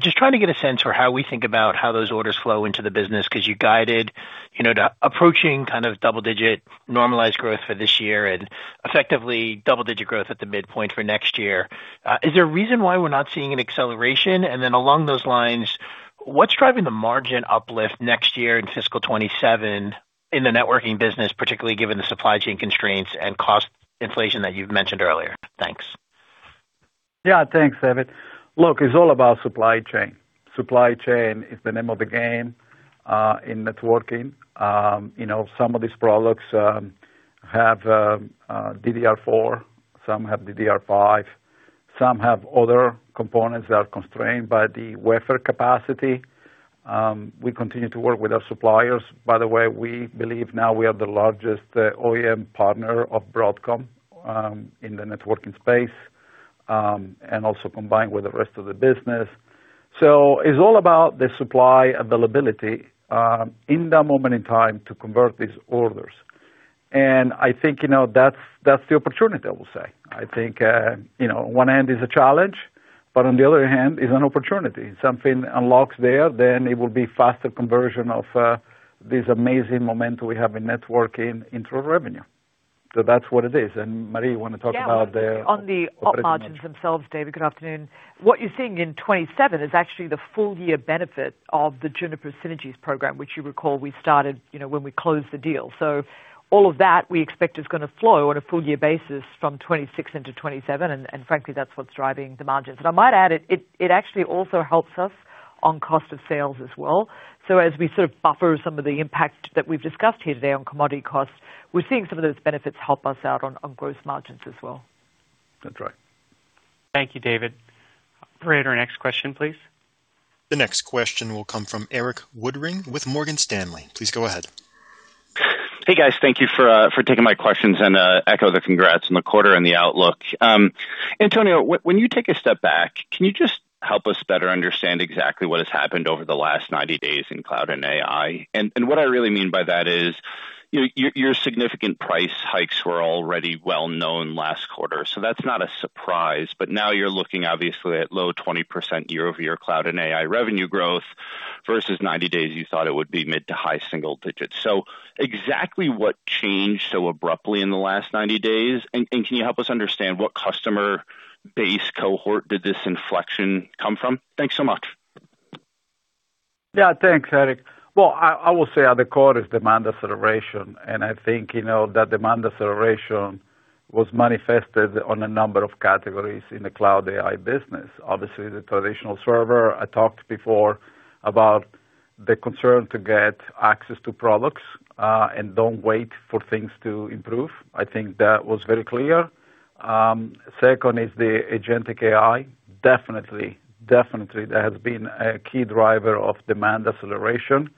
Just trying to get a sense for how we think about how those orders flow into the business, because you guided to approaching double-digit normalized growth for this year and effectively double-digit growth at the midpoint for next year. Is there a reason why we're not seeing an acceleration? Along those lines, what's driving the margin uplift next year in fiscal 2027 in the Networking business, particularly given the supply chain constraints and cost inflation that you've mentioned earlier? Thanks. Yeah. Thanks, David. Look, it's all about supply chain. Supply chain is the name of the game in networking. Some of these products have DDR4, some have DDR5, some have other components that are constrained by the wafer capacity. We continue to work with our suppliers. By the way, we believe now we are the largest OEM partner of Broadcom in the networking space, and also combined with the rest of the business. It's all about the supply availability in that moment in time to convert these orders. I think that's the opportunity, I will say. I think one hand is a challenge, but on the other hand, it's an opportunity. Something unlocks there, then it will be faster conversion of this amazing momentum we have in networking into revenue. That's what it is. Marie, you want to talk about the- Yeah. On the op margins themselves, David. Good afternoon. What you're seeing in 2027 is actually the full-year benefit of the Juniper Synergies program, which you recall we started when we closed the deal. All of that we expect is going to flow on a full year basis from 2026 into 2027. Frankly, that's what's driving the margins. I might add it actually also helps us on cost of sales as well. As we sort of buffer some of the impact that we've discussed here today on commodity costs, we're seeing some of those benefits help us out on gross margins as well. That's right. Thank you, David. Can we have our next question, please? The next question will come from Erik Woodring with Morgan Stanley. Please go ahead. Hey, guys. Thank you for taking my questions, and echo the congrats on the quarter and the outlook. Antonio, when you take a step back, can you just help us better understand exactly what has happened over the last 90 days in Cloud and AI? What I really mean by that is, your significant price hikes were already well-known last quarter, so that's not a surprise. Now you're looking obviously at low 20% year-over-year cloud and AI revenue growth versus 90 days you thought it would be mid to high single digits. Exactly what changed so abruptly in the last 90 days? Can you help us understand what customer base cohort did this inflection come from? Thanks so much. Thanks, Erik. I will say at the core is demand acceleration. I think that demand acceleration was manifested on a number of categories in the cloud AI business. The traditional server, I talked before about the concern to get access to products, don't wait for things to improve. I think that was very clear. Second is the agentic AI. Definitely that has been a key driver of demand acceleration.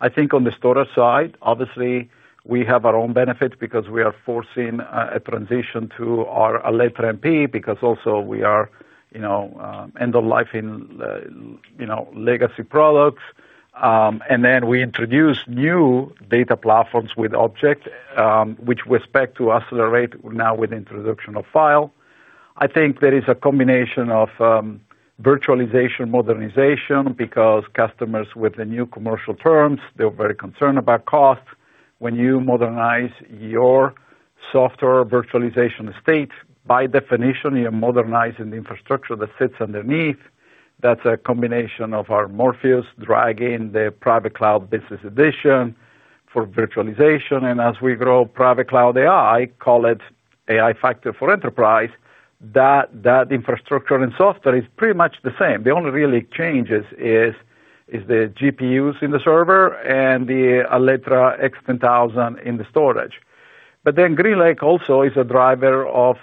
On the storage side, we have our own benefits we are forcing a transition to our Alletra MP, also we are end of life in legacy products. Then we introduced new data platforms with Object, which we expect to accelerate now with introduction of File. There is a combination of virtualization modernization customers with the new commercial terms, they're very concerned about cost. When you modernize your software virtualization estate, by definition, you're modernizing the infrastructure that sits underneath. That's a combination of our Morpheus draging the Private Cloud for virtualization. As we grow HPE Private Cloud AI, call it AI factory for enterprise-That infrastructure and software is pretty much the same. The only really changes is the GPUs in the server and the Alletra MP X10000 in the storage. HPE GreenLake also is a driver of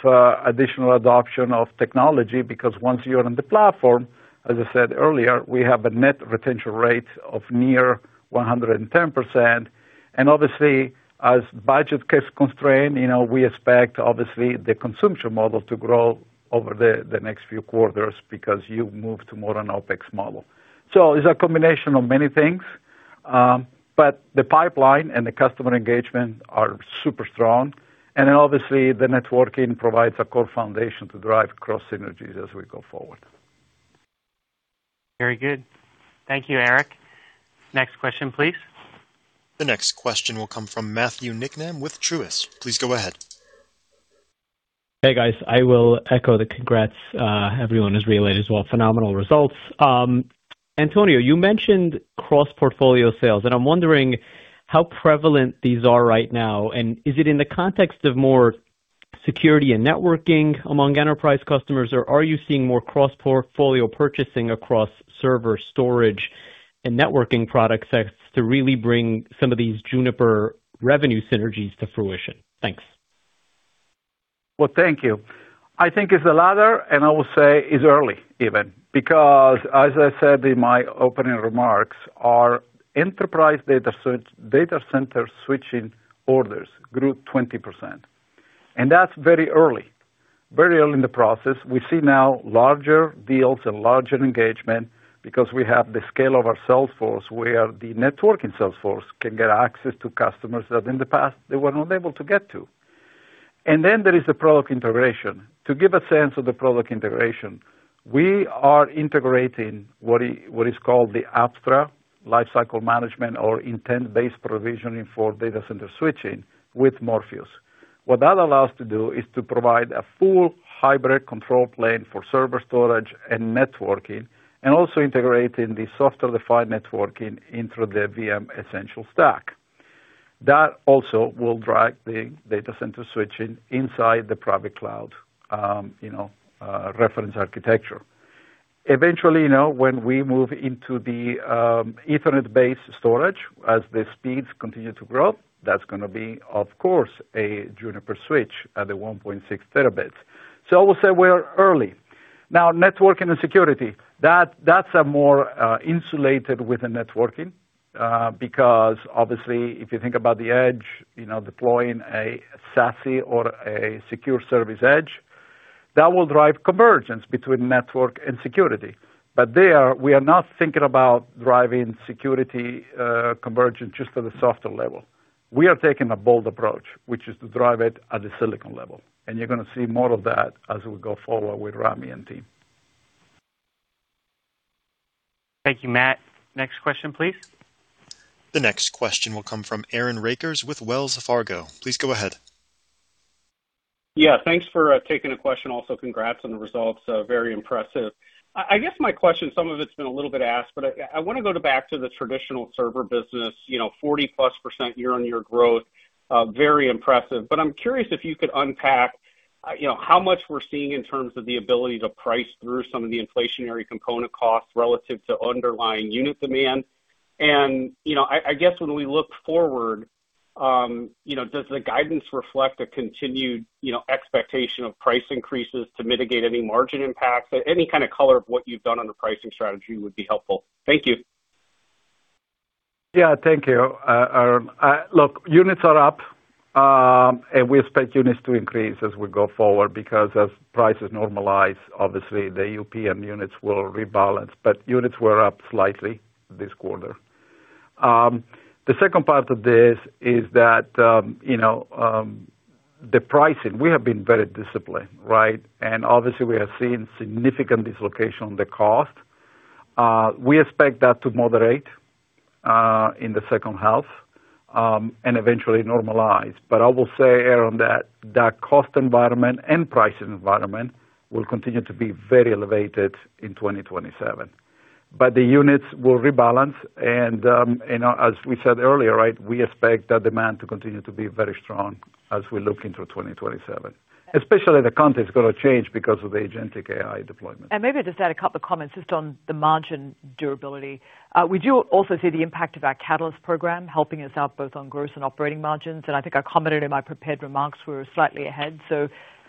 additional adoption of technology, because once you're on the platform, as I said earlier, we have a net retention rate of near 110%. Obviously, as budget gets constrained, we expect, obviously, the consumption model to grow over the next few quarters because you move to more an OpEx model. It's a combination of many things. The pipeline and the customer engagement are super strong. Obviously, the networking provides a core foundation to drive cross synergies as we go forward. Very good. Thank you, Erik. Next question, please. The next question will come from Matthew Niknam with Truist. Please go ahead. Hey, guys. I will echo the congrats everyone has relayed as well. Phenomenal results. Antonio, you mentioned cross-portfolio sales, I'm wondering how prevalent these are right now. Is it in the context of more security and networking among enterprise customers, or are you seeing more cross-portfolio purchasing across server storage and networking product sets to really bring some of these Juniper revenue synergies to fruition? Thanks. Well, thank you. I think it's the latter, and I will say it's early, even. As I said in my opening remarks, our enterprise data center switching orders grew 20%. That's very early. Very early in the process. We see now larger deals and larger engagement because we have the scale of our sales force where the networking sales force can get access to customers that in the past they were not able to get to. Then there is the product integration. To give a sense of the product integration, we are integrating what is called the Apstra lifecycle management or intent-based provisioning for data center switching with Morpheus. What that allows to do is to provide a full hybrid control plane for server storage and networking, and also integrating the software-defined networking into the VM Essentials stack. That also will drive the data center switching inside the private cloud reference architecture. When we move into the Ethernet-based storage, as the speeds continue to grow, that's going to be, of course, a Juniper switch at the 1.6 TB. I will say we're early. Networking and security. That's a more insulated with the networking, because obviously, if you think about the edge, deploying a SASE or a secure service edge, that will drive convergence between network and security. There, we are not thinking about driving security convergence just at a software level. We are taking a bold approach, which is to drive it at a silicon level. You're going to see more of that as we go forward with Rami and team. Thank you, Matt. Next question, please. The next question will come from Aaron Rakers with Wells Fargo. Please go ahead. Yeah. Thanks for taking a question. Also, congrats on the results. Very impressive. I guess my question, some of it's been a little bit asked, I want to go back to the traditional server business. 40%+ year-over-year growth. Very impressive. I'm curious if you could unpack how much we're seeing in terms of the ability to price through some of the inflationary component costs relative to underlying unit demand. I guess when we look forward, does the guidance reflect a continued expectation of price increases to mitigate any margin impact? Any kind of color of what you've done on the pricing strategy would be helpful. Thank you. Thank you, Aaron. Units are up, and we expect units to increase as we go forward because as prices normalize, obviously the AUP and units will rebalance. Units were up slightly this quarter. The second part of this is that the pricing, we have been very disciplined, right? Obviously, we have seen significant dislocation on the cost. We expect that to moderate in the second half, and eventually normalize. I will say, Aaron, that cost environment and pricing environment will continue to be very elevated in 2027. The units will rebalance and as we said earlier, we expect the demand to continue to be very strong as we look into 2027. Especially the content's going to change because of agentic AI deployment. Maybe I'll just add a couple of comments just on the margin durability. We do also see the impact of our Catalyst Program helping us out both on gross and operating margins, and I think I commented in my prepared remarks we're slightly ahead.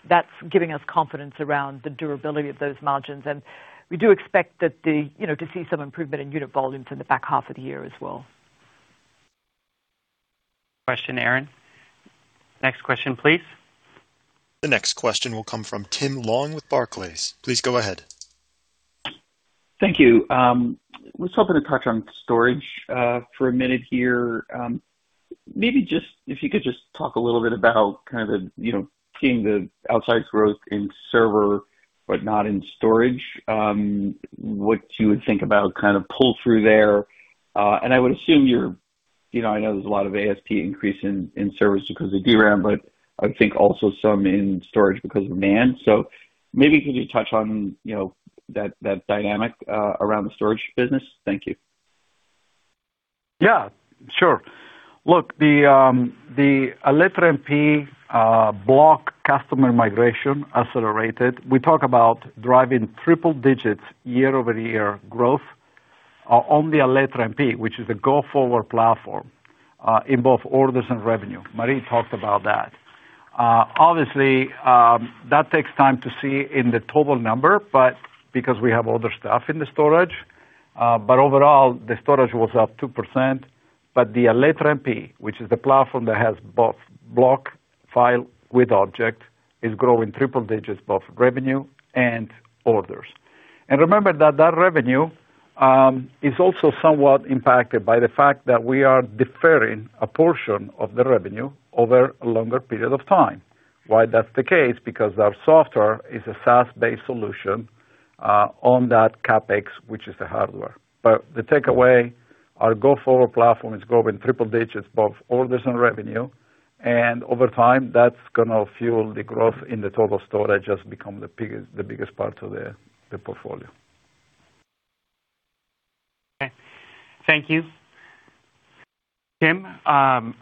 That's giving us confidence around the durability of those margins, and we do expect to see some improvement in unit volumes in the back half of the year as well. Question, Aaron. Next question, please. The next question will come from Tim Long with Barclays. Please go ahead. Thank you. Was hoping to touch on storage for a minute here. Maybe if you could just talk a little bit about kind of seeing the outsized growth in server, but not in storage. What you would think about pull through there? I know there's a lot of ASP increase in servers because of DRAM, but I would think also some in storage because of NAND. Maybe could you touch on that dynamic around the storage business? Thank you. Yeah, sure. Look, the Alletra MP block customer migration accelerated. We talk about driving triple digits year-over-year growth on the Alletra MP, which is a go-forward platform, in both orders and revenue. Marie talked about that. Obviously, that takes time to see in the total number, but because we have other stuff in the storage, but overall, the storage was up 2%. The Alletra MP, which is the platform that has both block file with object, is growing triple digits both revenue and orders. Remember that revenue is also somewhat impacted by the fact that we are deferring a portion of the revenue over a longer period of time. Why that's the case? Because our software is a SaaS-based solution on that CapEx, which is the hardware. The takeaway, our go-forward platform is growing triple digits both orders and revenue. Over time, that's going to fuel the growth in the total storage as it become the biggest part of the portfolio. Okay. Thank you. Tim,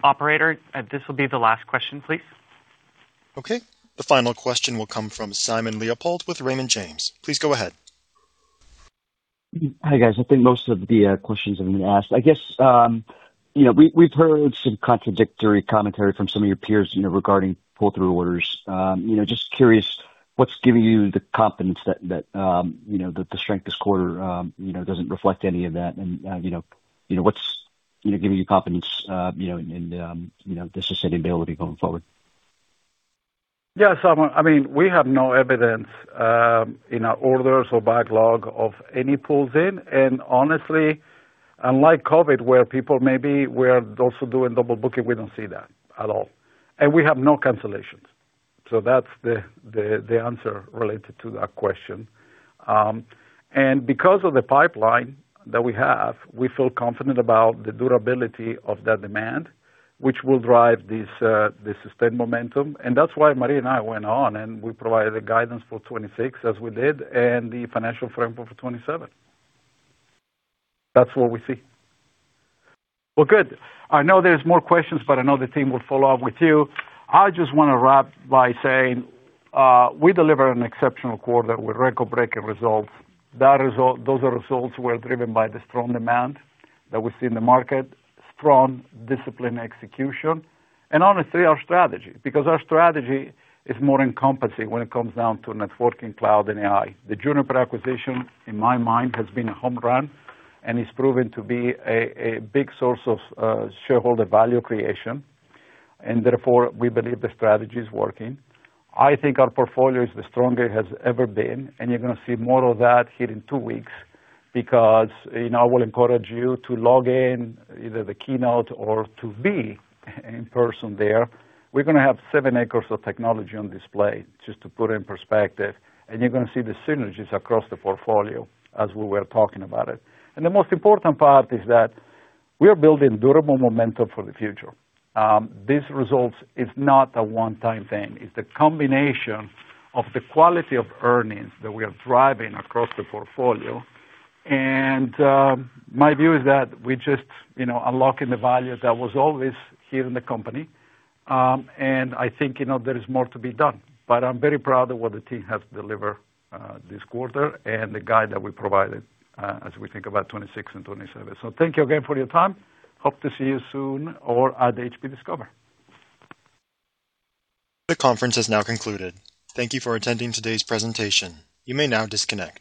operator, this will be the last question, please. Okay. The final question will come from Simon Leopold with Raymond James. Please go ahead. Hi, guys. I think most of the questions have been asked. I guess, we've heard some contradictory commentary from some of your peers regarding pull-through orders. Just curious, what's giving you the confidence that the strength this quarter doesn't reflect any of that? What's giving you confidence in the sustainability going forward? Yeah. Simon, we have no evidence in our orders or backlog of any pulls in. Honestly, unlike COVID, where people maybe were also doing double booking, we don't see that at all. We have no cancellations. That's the answer related to that question. Because of the pipeline that we have, we feel confident about the durability of that demand, which will drive this sustained momentum. That's why Marie and I went on, and we provided the guidance for 2026 as we did, and the financial framework for 2027. That's what we see. Well, good. I know there's more questions, but I know the team will follow up with you. I just want to wrap by saying we delivered an exceptional quarter with record-breaking results. Those results were driven by the strong demand that we see in the market, strong discipline execution, and honestly, our strategy. Our strategy is more encompassing when it comes down to networking, cloud, and AI. The Juniper acquisition, in my mind, has been a home run, and it's proven to be a big source of shareholder value creation. Therefore, we believe the strategy is working. I think our portfolio is the strongest it has ever been, and you're going to see more of that here in two weeks because I will encourage you to log in, either the keynote or to be in person there. We're going to have seven acres of technology on display, just to put it in perspective, and you're going to see the synergies across the portfolio as we were talking about it. The most important part is that we are building durable momentum for the future. These results is not a one-time thing. It's the combination of the quality of earnings that we are driving across the portfolio, and my view is that we're just unlocking the value that was always here in the company. I think there is more to be done, but I'm very proud of what the team has delivered this quarter and the guide that we provided as we think about 2026 and 2027. Thank you again for your time. Hope to see you soon or at HPE Discover. The conference has now concluded. Thank you for attending today's presentation. You may now disconnect.